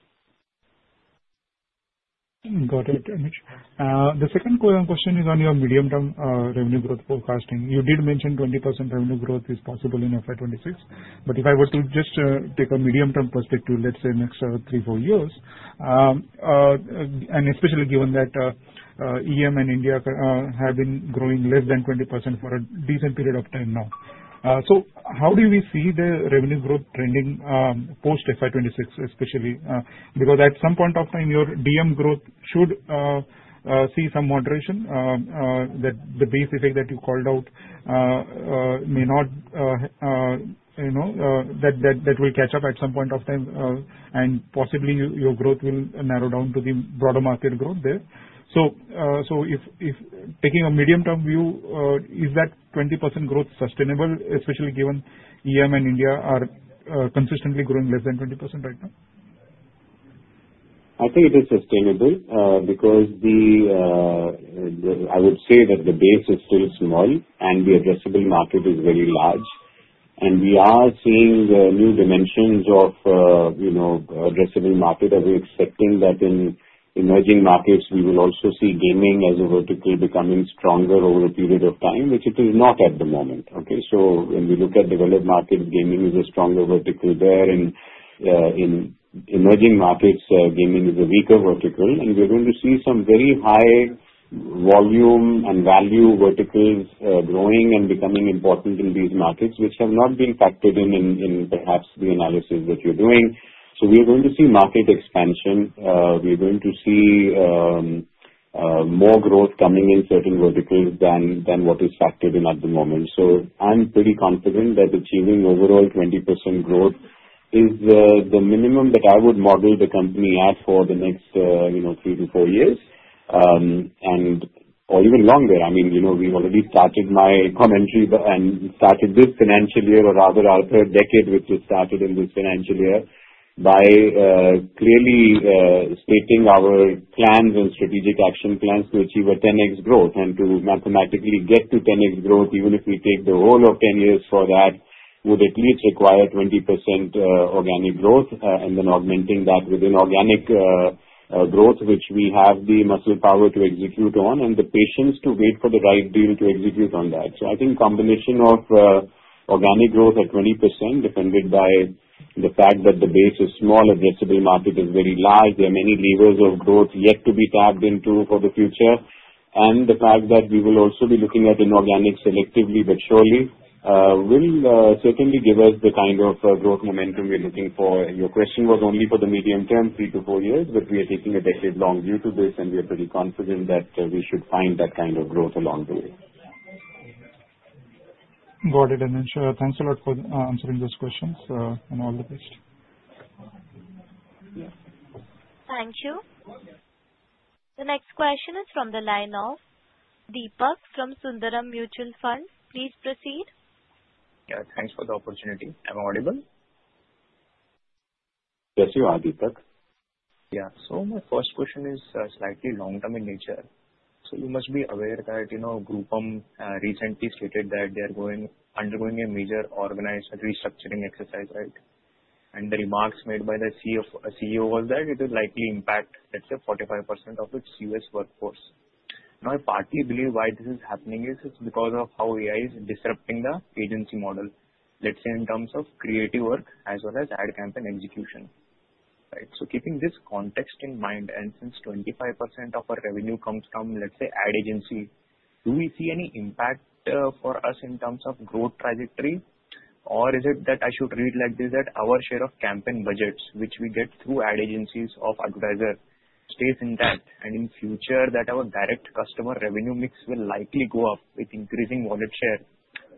Got it, Nish. The second question is on your medium term revenue growth forecasting. You did mention 20% revenue growth is possible in FY 'twenty six. But if I was to just take a medium term perspective, let's say, next three, four years, and especially given that EM and India have been growing less than 20% for a decent period of time now. So how do we see the revenue growth trending post FY 2026 especially? Because at some point of time, your DM growth should see some moderation that the base effect that you called out may not that will catch up at some point of time and possibly your growth will narrow down to the broader market growth there. So if taking a medium term view, is that 20% growth sustainable, especially given EM and India are consistently growing less than 20% right now? I think it is sustainable because I would say that the base is still small and the addressable market is very large. And we are seeing new dimensions of addressable market. Are we expecting that in emerging markets, we will also see gaming as a vertical becoming stronger over a period of time, which it is not at the moment, okay? So when we look at developed markets, gaming is a stronger vertical there. In emerging markets, gaming is a weaker vertical. And we're going to see some very high volume and value verticals growing and becoming important in these markets, which have not been factored in perhaps the analysis that you're doing. So we're going to see market expansion. We're going to see more growth coming in certain verticals than what is factored in at the moment. So I'm pretty confident that achieving overall 20% growth is the minimum that I would model the company at for the next three to four years or even longer. I mean, we've already started my commentary and started this financial year or rather our third decade which has started in this financial year by clearly stating our plans and strategic action plans to achieve a 10x growth and to mathematically get to 10x growth even if we take the whole of ten years for that would at least require 20% organic growth and then augmenting that with inorganic growth, which we have the muscle power to execute on and the patience to wait for the right deal to execute on that. So I think combination of organic growth at 20%, if ended by the fact that the base is small, addressable market is very large, there are many levers of growth yet to be tapped into for the future. And the fact that we will also be looking at inorganic selectively but surely will certainly give us the kind of momentum we're looking for. Your question was only for the medium term, three to four years, but we are taking a decade long due to this and we are pretty confident that we should find that kind of growth along the way. Got it, Ananshu. Thanks a lot for answering those questions and all the best. Thank you. The next question is from the line of Deepak from Sundaram Mutual Fund. Please proceed. Yes. Thanks for the opportunity. Am I audible? Yes. You are Deepak. Yes. So my first question is slightly long term in nature. So you must be aware that Gupam recently stated that they are going undergoing a major organized restructuring exercise, right? And the remarks made by the c of CEO was that it will likely impact, let's say, 45% of its US workforce. Now I partly believe why this is happening is it's because of how AI is disrupting the agency model, let's say, in terms of creative work as well as ad campaign execution. Right? So keeping this context in mind, and since 25% of our revenue comes from, let's say, ad agency, do we see any impact for us in terms of growth trajectory? Or is it that I should read like this that our share of campaign budgets, which we get through ad agencies of advertiser stays intact and in future that our direct customer revenue mix will likely go up with increasing wallet share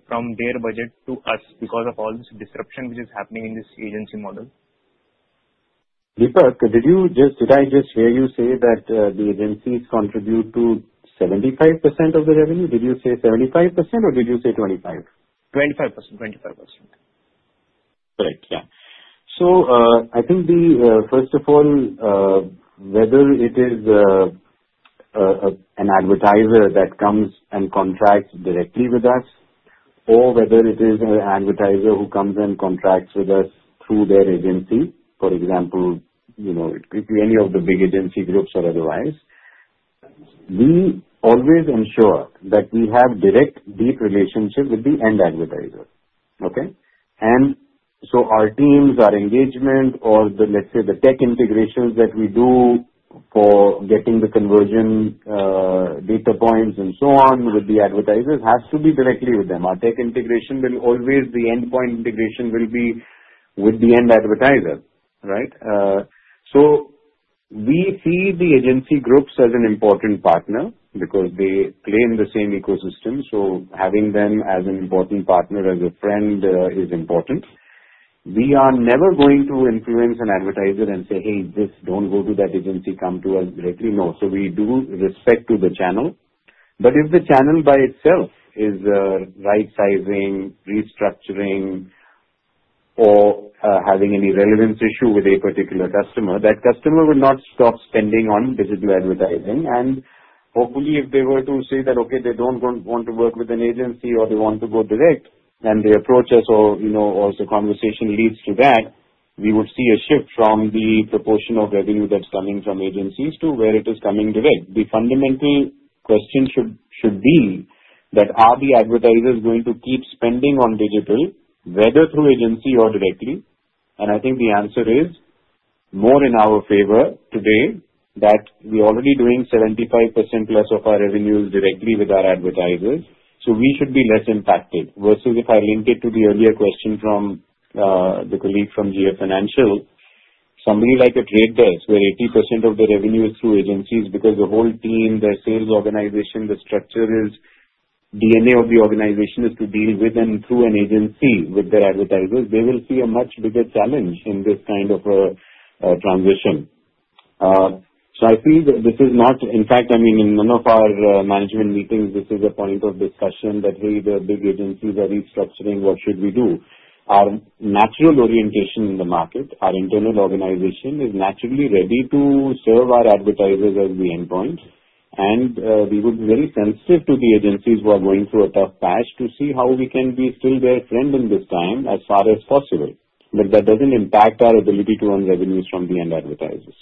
from their budget to us because of all this disruption which is happening in this agency model? Deepak, did I just hear you say that the agencies contribute to 75% of the revenue? Did you say 75% or did you say 2525%. Correct, yes. So I think the first of all, whether it is an advertiser that comes and contracts directly with us or whether it is an advertiser who comes and contracts with us through their agency, for example, it could be any of the big agency groups or otherwise, we always ensure that we have direct deep relationship with the end advertiser, okay? And so our teams, our engagement or the, let's say, the tech integrations that we do for getting the conversion data points and so on with the advertisers has to be directly with them. Our tech integration will always be endpoint integration will be with the end advertiser, right? So we see the agency groups as an important partner because they claim the same ecosystem. So having them as an important partner, as a friend is important. We are never going to influence an advertiser and say, Hey, just don't go to that agency, come to us directly. No. So we do respect to the channel. But if the channel by itself is rightsizing, restructuring or having any relevance issue with a particular customer, that customer will not stop spending on digital advertising. And hopefully, if they were to say that, okay, they don't want to work with an agency or they want to go direct, then they approach us or also conversation leads to that, we would see a shift from the proportion of revenue that's coming from agencies to where it is coming direct. The fundamental question should be that are the advertisers going to keep spending on digital, whether through agency or directly? And I think the answer is more in our favor today that we're already doing 75% plus of our revenues directly with our advertisers. So, we should be less impacted versus if I linked it to the earlier question from the colleague from GA Financial, somebody like a trade desk where 80% of the revenue is through agencies because the whole team, their sales organization, the structure is DNA of the organization is to deal with and through an agency with their advertisers, they will see a much bigger challenge in this kind of a transition. So I feel that this is not in fact, I mean, one of our management meetings, this is a point of discussion that, hey, the big agencies are restructuring, what should we do? Our natural orientation in the market, our internal organization is naturally ready to serve our advertisers as the endpoint and we would be very sensitive to the agencies who are going through a tough patch to see how we can be still their friend in this time as far as possible, But that doesn't impact our ability to earn revenues from the end advertisers.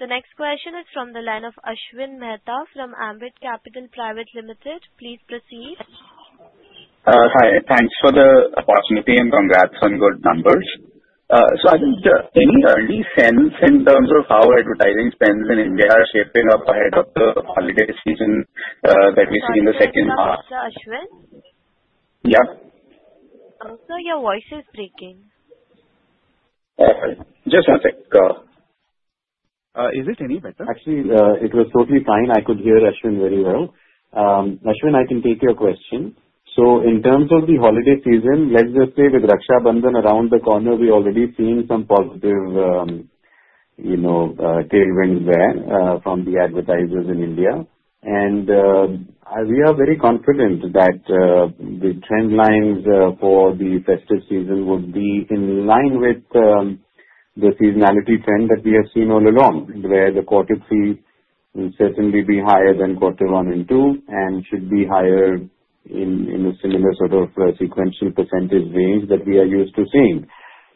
The next question is from the line of Ashwin Mehta from Ambit Capital Private Limited. Please proceed. Hi. Thanks for the opportunity and congrats on good numbers. So I think any sense in terms of how advertising spends in India are shaping up ahead of the holiday season that we see in the second half? Sir Ashwin? Yes. Sir, your voice is breaking. Just one sec. Is it any better? Actually, it was totally fine. I could hear Ashwin very well. Ashwin, I can take your question. So in terms of the holiday season, let's just say with Raksha Bandhan around the corner, we're already seeing some positive tailwinds there from the advertisers in India. And we are very confident that the trend lines for the festive season would be in line with the seasonality trend that we have seen all along, where the quarter three will certainly be higher than quarter one and two and should be higher in a similar sort of sequential percentage range that we are used to seeing.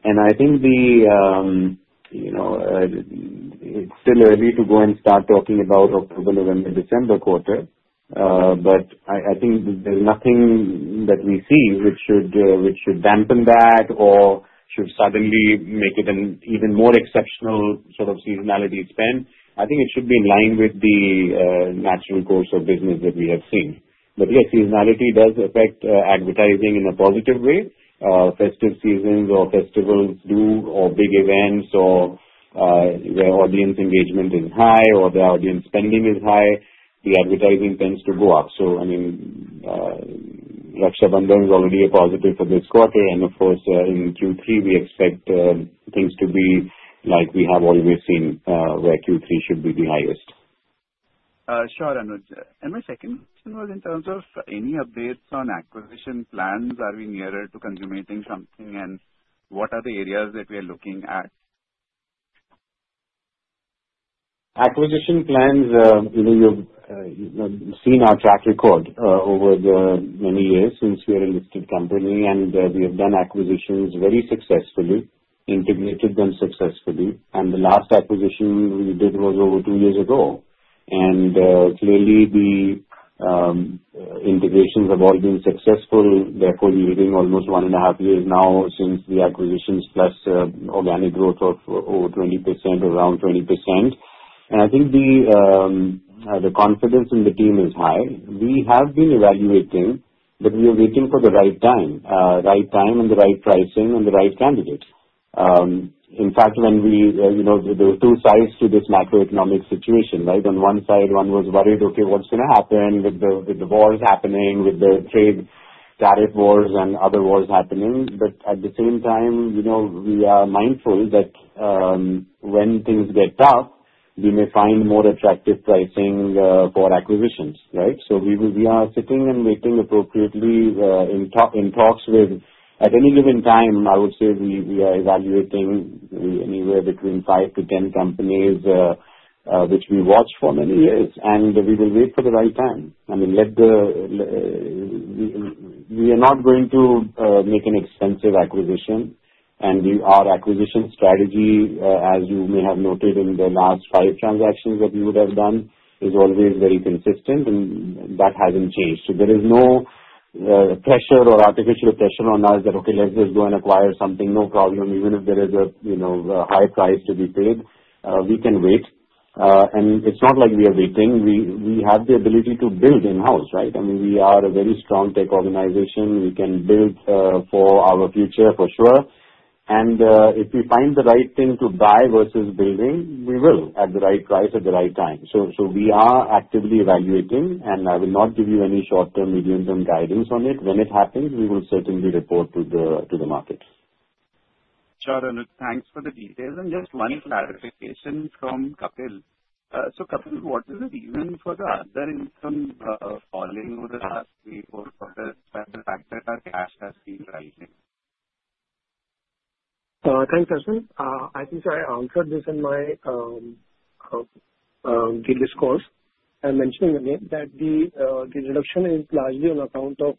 And I think the it's still early to go and start talking about October, November, December quarter. But I think there's nothing that we see which should dampen that or should suddenly make it an even more exceptional sort of seasonality spend, I think it should be in line with the natural course of business that we have seen. But yes, seasonality does affect advertising in a positive way. Festive seasons or festivals do or big events or where audience engagement is high or the audience spending is high, the advertising tends to go up. So I mean, Rajshavandam is already a positive for this quarter. And of course, in Q3, we expect things to be like we have always seen, where Q3 should be the highest. Sure, Anuj. And my second question was in terms of any updates on acquisition plans. Are we nearer to consummating something? And what are the areas that we are looking at? Acquisition plans, you've seen our track record over the many years since we are a listed company and we have done acquisitions very successfully, integrated them successfully. And the last acquisition we did was over two years ago. And clearly, the integrations have all been successful. Therefore, using almost one point five years now since the acquisitions plus organic growth of over 20%, around 20. And I think the confidence in the team is high. We have been evaluating, but we are waiting for the right time, right time and the right pricing and the right candidate. In fact, when we there were two sides to this macroeconomic situation, right? On one side, one was worried, okay, what's going to happen with the wars happening, with the trade tariff wars and other wars happening. But at the same time, we are mindful that when things get tough, we may find more attractive pricing for acquisitions, right? So, we are sitting and waiting appropriately in talks with at any given time, I would say, are evaluating anywhere between five to 10 companies, which we watch for many years, and we will wait for the right time. I mean, let the we are not going to make an extensive acquisition. And our acquisition strategy, as you may have noted in the last five transactions that we would have done, is always very consistent and that hasn't changed. So there is no pressure or artificial pressure on us that, okay, let's just go and acquire something, no problem, even if there is a high price to be paid, we can wait. And it's not like we are waiting. We have the ability to build in house, right? I mean, we are a very strong tech organization. We can build for our future for sure. And if we find the right thing to buy versus building, we will at the right price at the right time. So we are actively evaluating, and I will not give you any short term, medium term guidance on it. When it happens, we will certainly report to the market. Sure, Anuj. Thanks for the details. Just one clarification from Kapil. So Kapil, what is the reason for the other income falling over the last three, four quarters and the fact that our cash has been rising? Thanks, Harshil. I think I answered this in my previous course. I mentioned again that the the deduction is largely on account of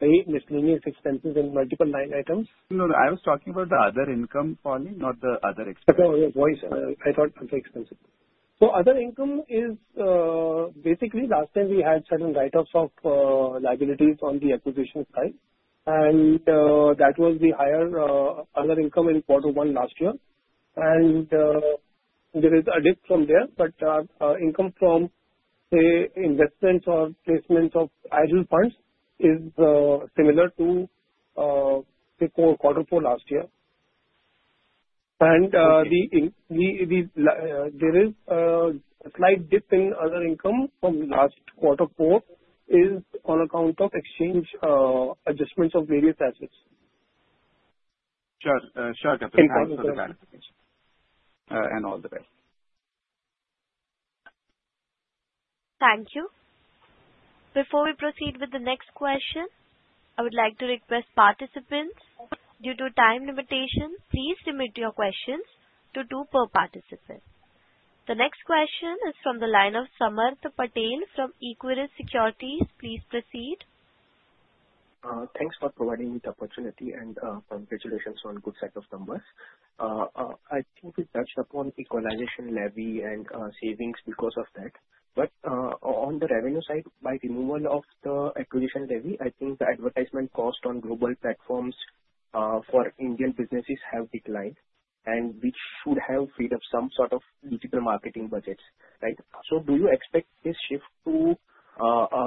pay miscellaneous expenses and multiple line items. No. No. I was talking about the other income, Poli, not the other expense. Voice. I thought it was expensive. So other income is basically, last time, we had certain write offs of liabilities on the acquisition side, and that was the higher other income in quarter one last year. And there is a dip from there, but income from, say, investments or placements of funds is similar to, say, quarter four last year. The the the there is a slight dip in other income from last quarter four is on account of exchange adjustments of various assets. Sure. Sure, Thanks for the clarification. And all the best. Thank you. Before we proceed with the next question, I would like to request participants, due to time limitation, please limit your questions to two per participant. The next question is from the line of Samarth Patel from Equiris Securities. Please proceed. Thanks for providing the opportunity, and congratulations on good set of numbers. I think you touched upon the colonization levy and savings because of that. But on the revenue side, by the removal of the acquisition levy, I think the advertisement cost on global platforms for Indian businesses have declined and which should have freed up some sort of digital marketing budgets, right? So do you expect this shift to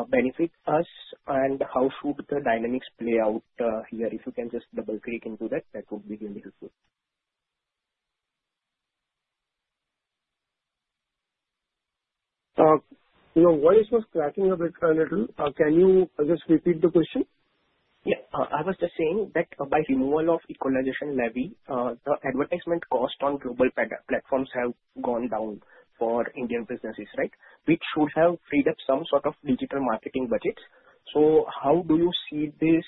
benefit us? And how should the dynamics play out here? If you can just double click into that, that would be really helpful. Voice was cracking a bit a little. Can you just repeat the question? Yeah. I was just saying that by removal of equalization levy, the advertisement cost on global platforms have gone down for Indian businesses, right, which should have freed up some sort of digital marketing budget. So how do you see this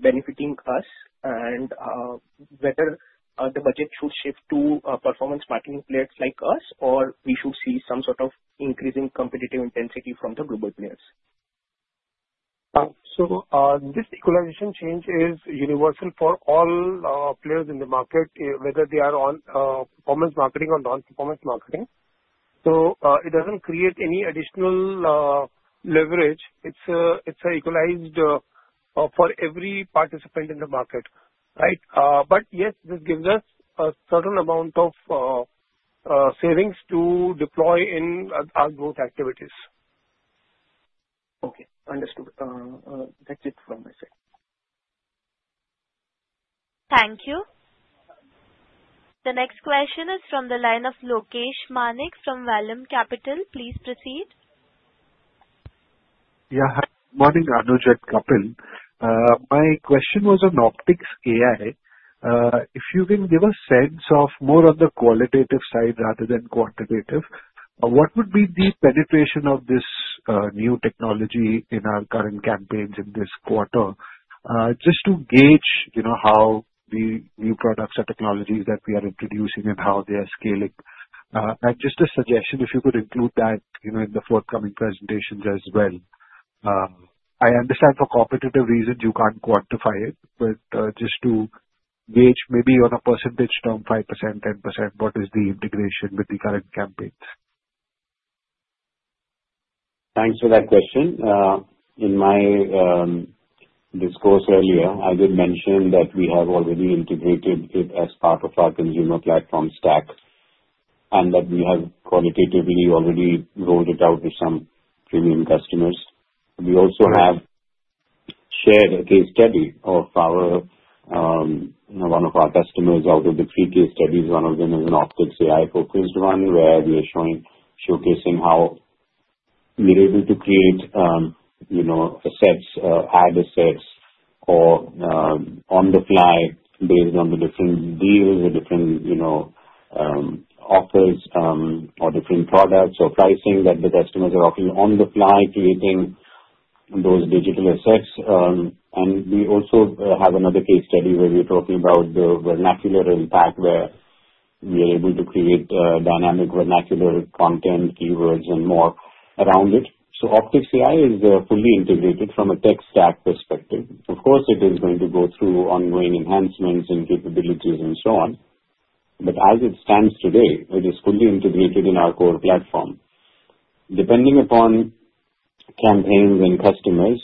benefiting us and whether the budget should shift to performance marketing players like us, or we should see some sort of increasing competitive intensity from the global players? So this equalization change is universal for all players in the market, whether they are on performance marketing or nonperformance marketing. So it doesn't create any additional leverage. It's a it's a equalized for every participant in the market. Right? But, yes, this gives us a certain amount of savings to deploy in our growth activities. Okay. Understood. That's it from my side. Thank you. The next question is from the line of Lokesh Manik from Valium Capital. Anuj and Kapil, my question was on Optics AI. If you can give a sense of more on the qualitative side rather than quantitative, what would be the penetration of this new technology in our current campaigns in this quarter? Just to gauge how the new products or technologies that we are introducing and how they are scaling. And just a suggestion, if you could include that in the forthcoming presentations as well. I understand for competitive reasons, you can't quantify it, but just to gauge maybe on a percentage term, 5%, 10%, what is the integration with the current campaign? Thanks for that question. In my discourse earlier, I did mention that we have already integrated it as part of our consumer platform stack and that we have qualitatively already rolled it out to some premium customers. We also have shared a case study of our one of our customers out of the three case studies, one of them is an optics focused one where we are showing showcasing how we're able to create assets, ad assets or on the fly based on the different deals or different offers or different products or pricing that the customers are offering on the fly creating those digital assets. And we also have another case study where we're talking about the vernacular impact where we are able to create dynamic vernacular content, keywords and more around it. So, Optics AI is fully integrated from a tech stack perspective. Of course, it is going to go through ongoing enhancements and capabilities and so on. But as it stands today, it is fully integrated in our core platform. Depending upon campaigns and customers,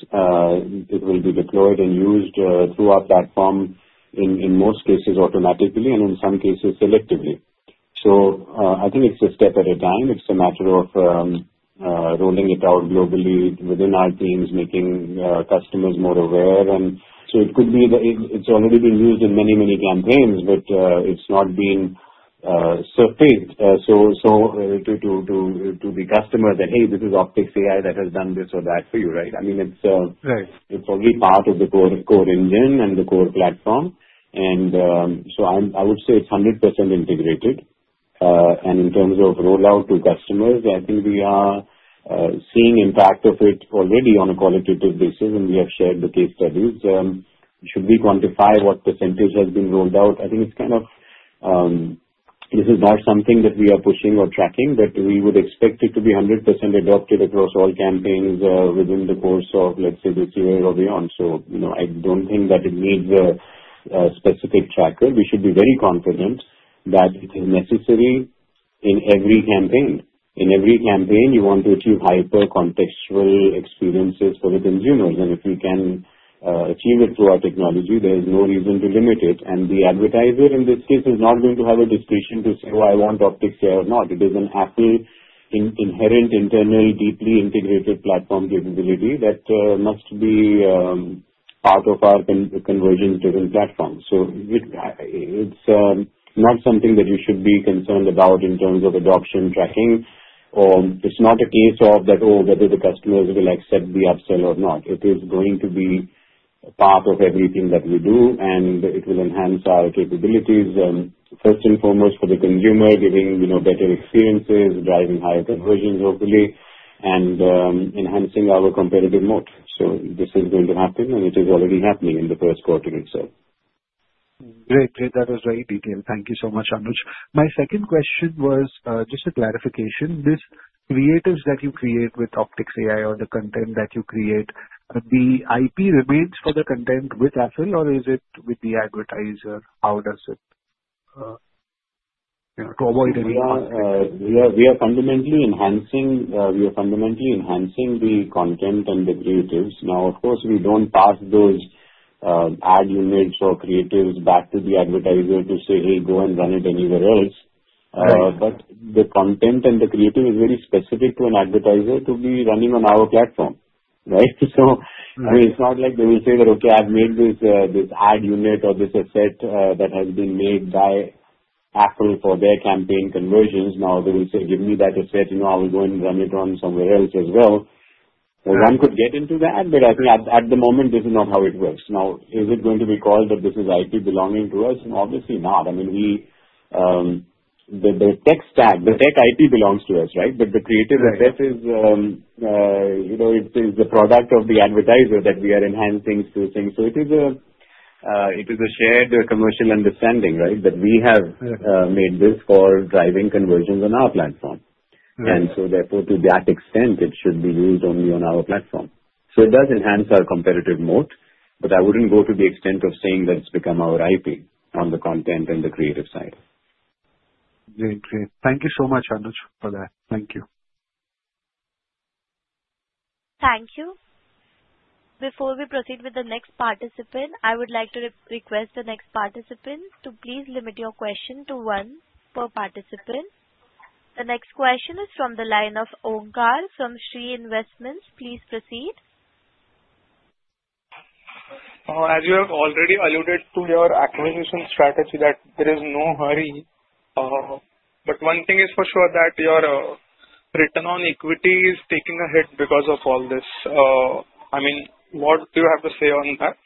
it will be deployed and used through our platform in most cases automatically and in some cases selectively. So, I think it's a step at a time. It's a matter of rolling it out globally within our teams, making customers more aware and so, could be it's already been used in many, many campaigns, but it's not been surfaced. So, to the customer that, hey, this is Optics AI that has done this or that for you, right? I mean, it's only part of the core engine and the core platform. And so, I would say it's 100% integrated. And in terms of rollout to customers, I think we are seeing impact of it already on a qualitative basis and we have shared the case studies. Should we quantify what percentage has been rolled out? I think it's kind of this is not something that we are pushing or tracking, but we would expect it to be 100% adopted across all campaigns within the course of, let's say, this year or beyond. So, I don't think that it needs a specific tracker. We should be very confident that it is necessary in every campaign. In every campaign, you want to achieve hyper contextual experiences for the consumers. And if we can achieve it through our technology, there is no reason to limit it. And the advertiser in this case is not going to have a discretion to say, well, I want Opticshare or not. It is an Apple inherent internal deeply integrated platform capability that must be part of our convergence driven platform. So, it's not something that you should be concerned about in terms of adoption tracking. It's not a case of that, oh, whether the customers will accept the upsell or not. It is going to be part of everything that we do and it will enhance our capabilities, first and foremost, for the consumer, getting better experiences, driving higher conversions hopefully and enhancing our competitive moat. So, this is going to happen and it is already happening in the first quarter itself. Great. Great. That was very detailed. Thank you so much, Anduj. My second question was just a clarification. This creatives that you create with optics.ai or the content that you create, the IP remains for the content with Apple or is it with the advertiser? How does it to avoid any We are fundamentally enhancing the content and the creatives. Now, of course, we don't pass those ad units or creatives back to the advertiser to say, hey, go and run it anywhere else. But the content and the creative is very specific to an advertiser to be running on our platform. Right? So I mean, it's not like they will say that, okay, I've made this this ad unit or this asset that has been made by Apple for their campaign conversions. Now they will say, give me that asset, I'll go and run it on somewhere else as well. One could get into that, but at the moment, this is not how it works. Now is it going to be called that this is IT belonging to us? Obviously not. I mean, we the tech stack the tech IP belongs to us, right? But the creative access is the product of the advertiser that we are enhancing through things. So it is a shared commercial understanding, right, that we have made this for driving conversions on our platform. And so therefore, to that extent, it should be used only on our platform. So it does enhance our competitive moat, but I wouldn't go to the extent of saying that it's become our IP on the content and the creative side. Next question is from the line of Omkar from Shree Investments. As you have already alluded to your acquisition strategy that there is no hurry. But one thing is for sure that your return on equity is taking a hit because of all this. I mean, what do you have to say on that?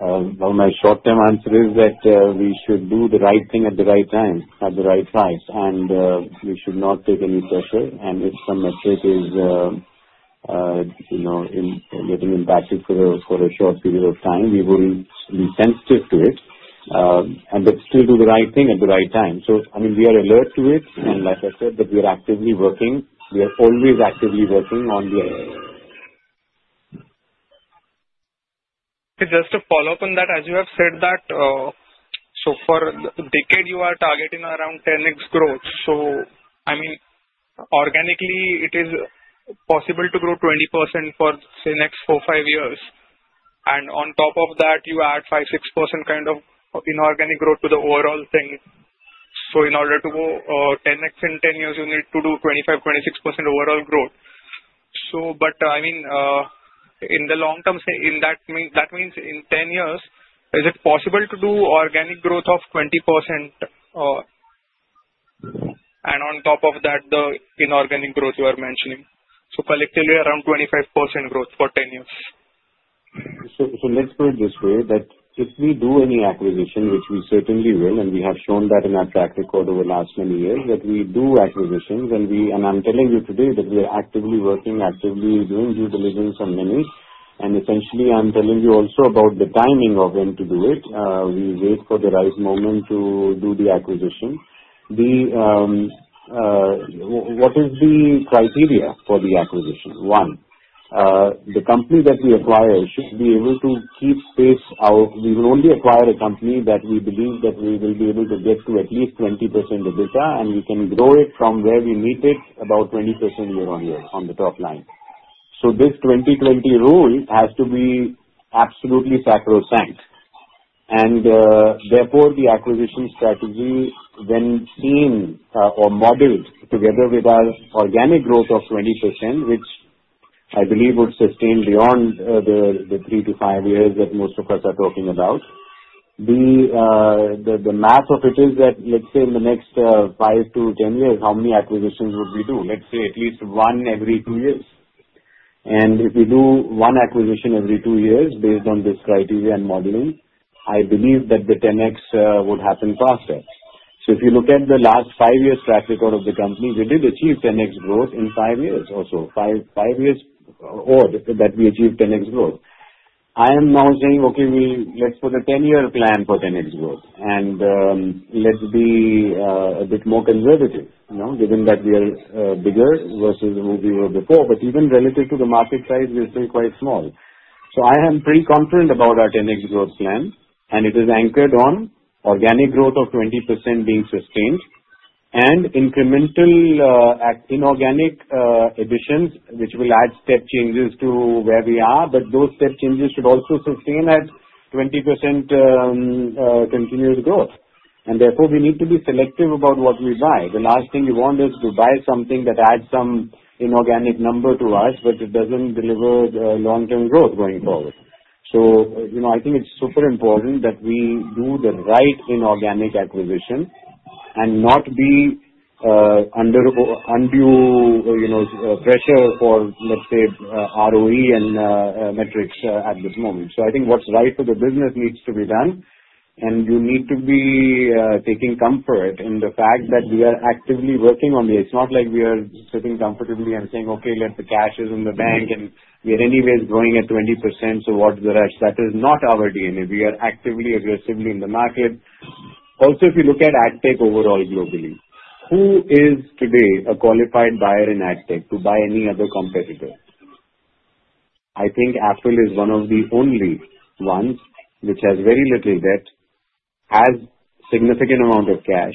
Well, my short term answer is that we should do the right thing at the right time at the right price, and we should not take any pressure. And if some metric is getting impacted for a short period of time, we will be sensitive to it and but still do the right thing at the right time. So I mean, we are alert to it. And like I said, that we are actively working. We are always actively working on the. Just to follow-up on that, as you have said that so for the decade, you are targeting around 10x growth. So I mean, organically, it is possible to grow 20% for, say, next four, five years. And on top of that, you add 56% kind of inorganic growth to the overall thing. So in order to go 10x in ten years, you need to do 25%, 26% overall growth. So but I mean, in the long term, say, in that means that means in ten years, is it possible to do organic growth of 20%? And on top of that, the inorganic growth you are mentioning. So collectively, around 25% growth for ten years. So let's put it this way, that if we do any acquisition, which we certainly will, and we have shown that in our track record over the last many years, that we do acquisitions and I'm telling you today that we are actively working, actively doing due diligence on many. And essentially, I'm telling you also about the timing of when to do it. We wait for the right moment to do the acquisition. What is the criteria for the acquisition? One, the company that we acquire should be able to keep pace out we will only acquire a company that we believe that we will be able to get to at least 20% EBITDA and we can grow it from where we meet it about 20% year on year on the top line. So this twentytwenty rule has to be absolutely sacrosanct. And therefore, the acquisition strategy when seen or modeled together with our organic growth of 20%, which I believe would sustain beyond the three to five years that most of us are talking about. The math of it is that, let's say, the next five to ten years, how many acquisitions would we do? Let's say, at least one every two years. And if we do one acquisition every two years based on this criteria and modeling, I believe that the 10x would happen faster. So if you look at the last five years track record of the company, we did achieve 10x growth in five years or so, five years old that we achieved 10x growth. I am now saying, okay, let's put a ten year plan for 10x growth and let's be a bit more conservative given that we are bigger versus what we were before. But even relative to the market size, we're still quite small. So I am pretty confident about our 10x growth plan, and it is anchored on organic growth of 20% being sustained and incremental inorganic additions, which will add step changes to where we are, but those step changes should also sustain at 20% continued growth. And therefore, we need to be selective about what we buy. The last thing you want is to buy something that adds some inorganic number to us, but it doesn't deliver long term growth going forward. So I think it's super important that we do the right inorganic acquisition and not be under undue pressure for, let's say, and metrics at this moment. So I think what's right for the business needs to be done and you need to be taking comfort in the fact that actively working on this. It's not like we are sitting comfortably and saying, okay, let the cash is in the bank and we are anyways growing at 20%. So what's the rush? That is not our DNA. We are actively aggressively in the market. Also, you look at AdTech overall globally, who is today a qualified buyer in AdTech to buy any other competitor? I think Apple is one of the only ones which has very little debt, has significant amount of cash,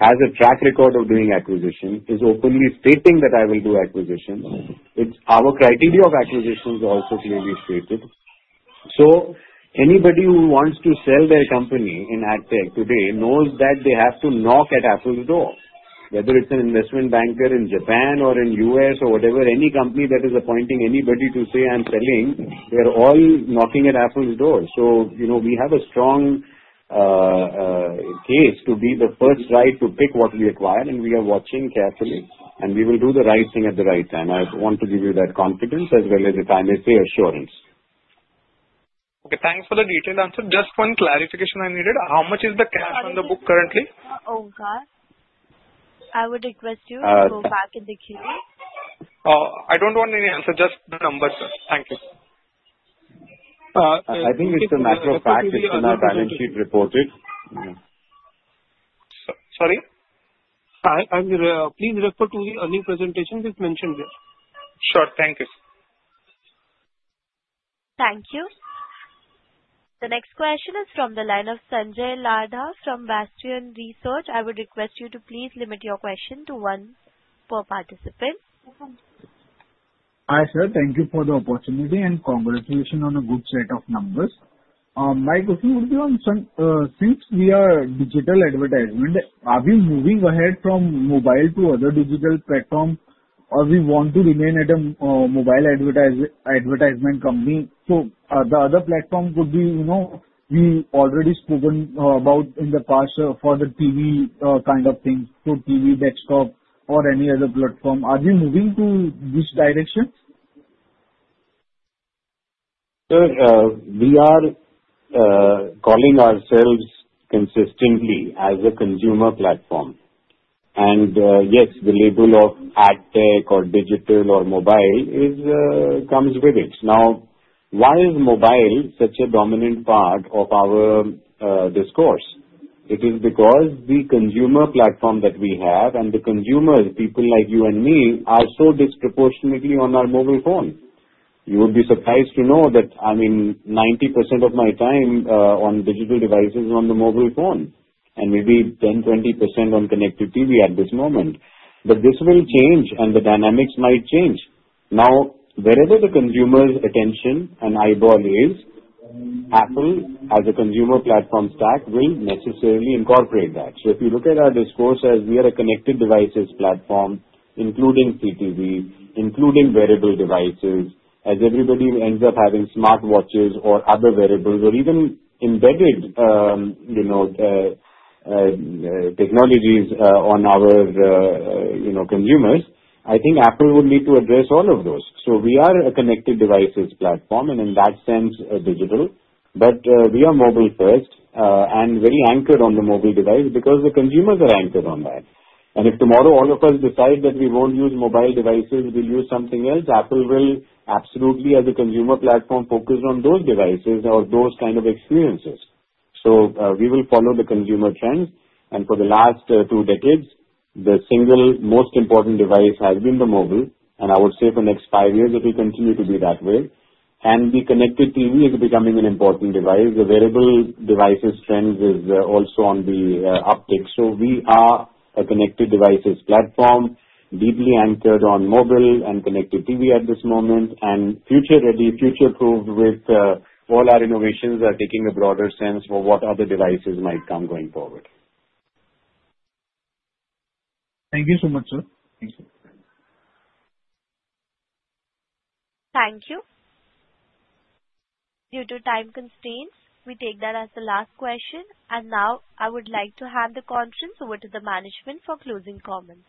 has a track record of doing acquisitions, is openly stating that I will do acquisitions. It's our criteria of acquisitions also clearly stated. So anybody who wants to sell their company in AdTech today knows that they have to knock at Apple's door, whether it's an investment banker in Japan or in U. S. Or whatever, any company that is appointing anybody to say I'm selling, they're all knocking at Apple's door. So we have a strong case to be the first right to pick what we acquire, and we are watching carefully. And we will do the right thing at the right time. I want to give you that confidence as well as if I may say assurance. Okay. Thanks for the detailed answer. Just one clarification I needed. How much is the cash on the book currently? Oh, god. I would request you to go back in the queue. Oh, I don't want any answer. Just the numbers, sir. Thank you. I think it's a natural package in our balance sheet reported. Sorry? I I will please refer to the earnings presentation just mentioned here. Sure. Thank you. Thank you. The next question is from the line of Sanjay Lada from Bastian Research. I would request you to please limit your question to one per participant. Hi, sir. Thank you for the opportunity, and congratulation on a good set of numbers. My question would be on since we are digital advertisement, are we moving ahead from mobile to other digital platform or we want to remain at a mobile advertisement company? So the other platform would be we already spoken about in the past for the TV kind of things, so TV, desktop or any other platform. Are we moving to this direction? Sir, we are calling ourselves consistently as a consumer platform. And yes, the label of ad tech or digital or mobile is comes with it. Now why is mobile such a dominant part of our discourse? It is because the consumer platform that we have and the consumers, people like you and me, are so disproportionately on our mobile phone. You would be surprised to know that I mean 90% of my time on digital devices is on the mobile phone and maybe 10%, 20% on connected TV at this moment. But this will change and the dynamics might change. Now, wherever the consumer's attention and eyeball is, Apple as a consumer platform stack will necessarily incorporate that. So if you look at our discourse as we are a connected devices platform, including CTV, including wearable devices, as everybody ends up having smart watches or other wearables or even embedded technologies on our consumers, I think Apple would need to address all of those. So we are a connected devices platform and in that sense digital, but we are mobile first and very anchored on the mobile device because the consumers are anchored on that. And if tomorrow all of us decide that we won't use mobile devices, we'll use something else, Apple will absolutely as a consumer platform focus on those devices or those kind of experiences. So, we will follow the consumer trends. And for the last two decades, the single most important device has been the mobile. And I would say for the next five years, it will continue to be that way. And the connected TV is becoming an important device. Available devices trends is also on the uptick. So we are a connected devices platform, deeply anchored on mobile and connected TV at this moment and future ready, future proof with all our innovations are taking a broader sense for what other devices might come going forward. Due to time constraints, we take that as the last question. And now I would like to hand the conference over to the management for closing comments.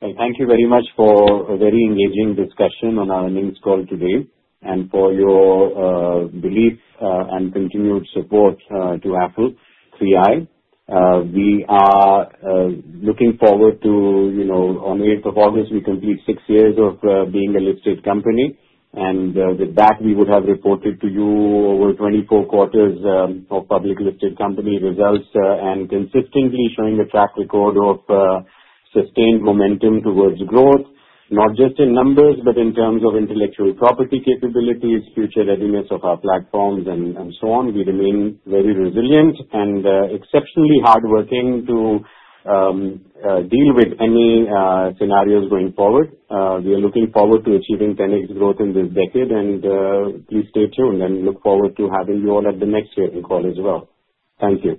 Thank you very much for a very engaging discussion on our earnings call today and for your belief and continued support to Apple III. Are looking forward to on August 8, we complete six years of being a listed company. And with that, we would have reported to you over 24 quarters of public listed company results and consistently showing a track record of sustained momentum towards growth, not just in numbers, but in terms of intellectual property capabilities, future readiness of our platforms and so on. We remain very resilient and exceptionally hard working to deal with any scenarios going forward. We are looking forward to achieving 10x growth in this decade, and please stay tuned and look forward to having you all at the next trading call as well. Thank you.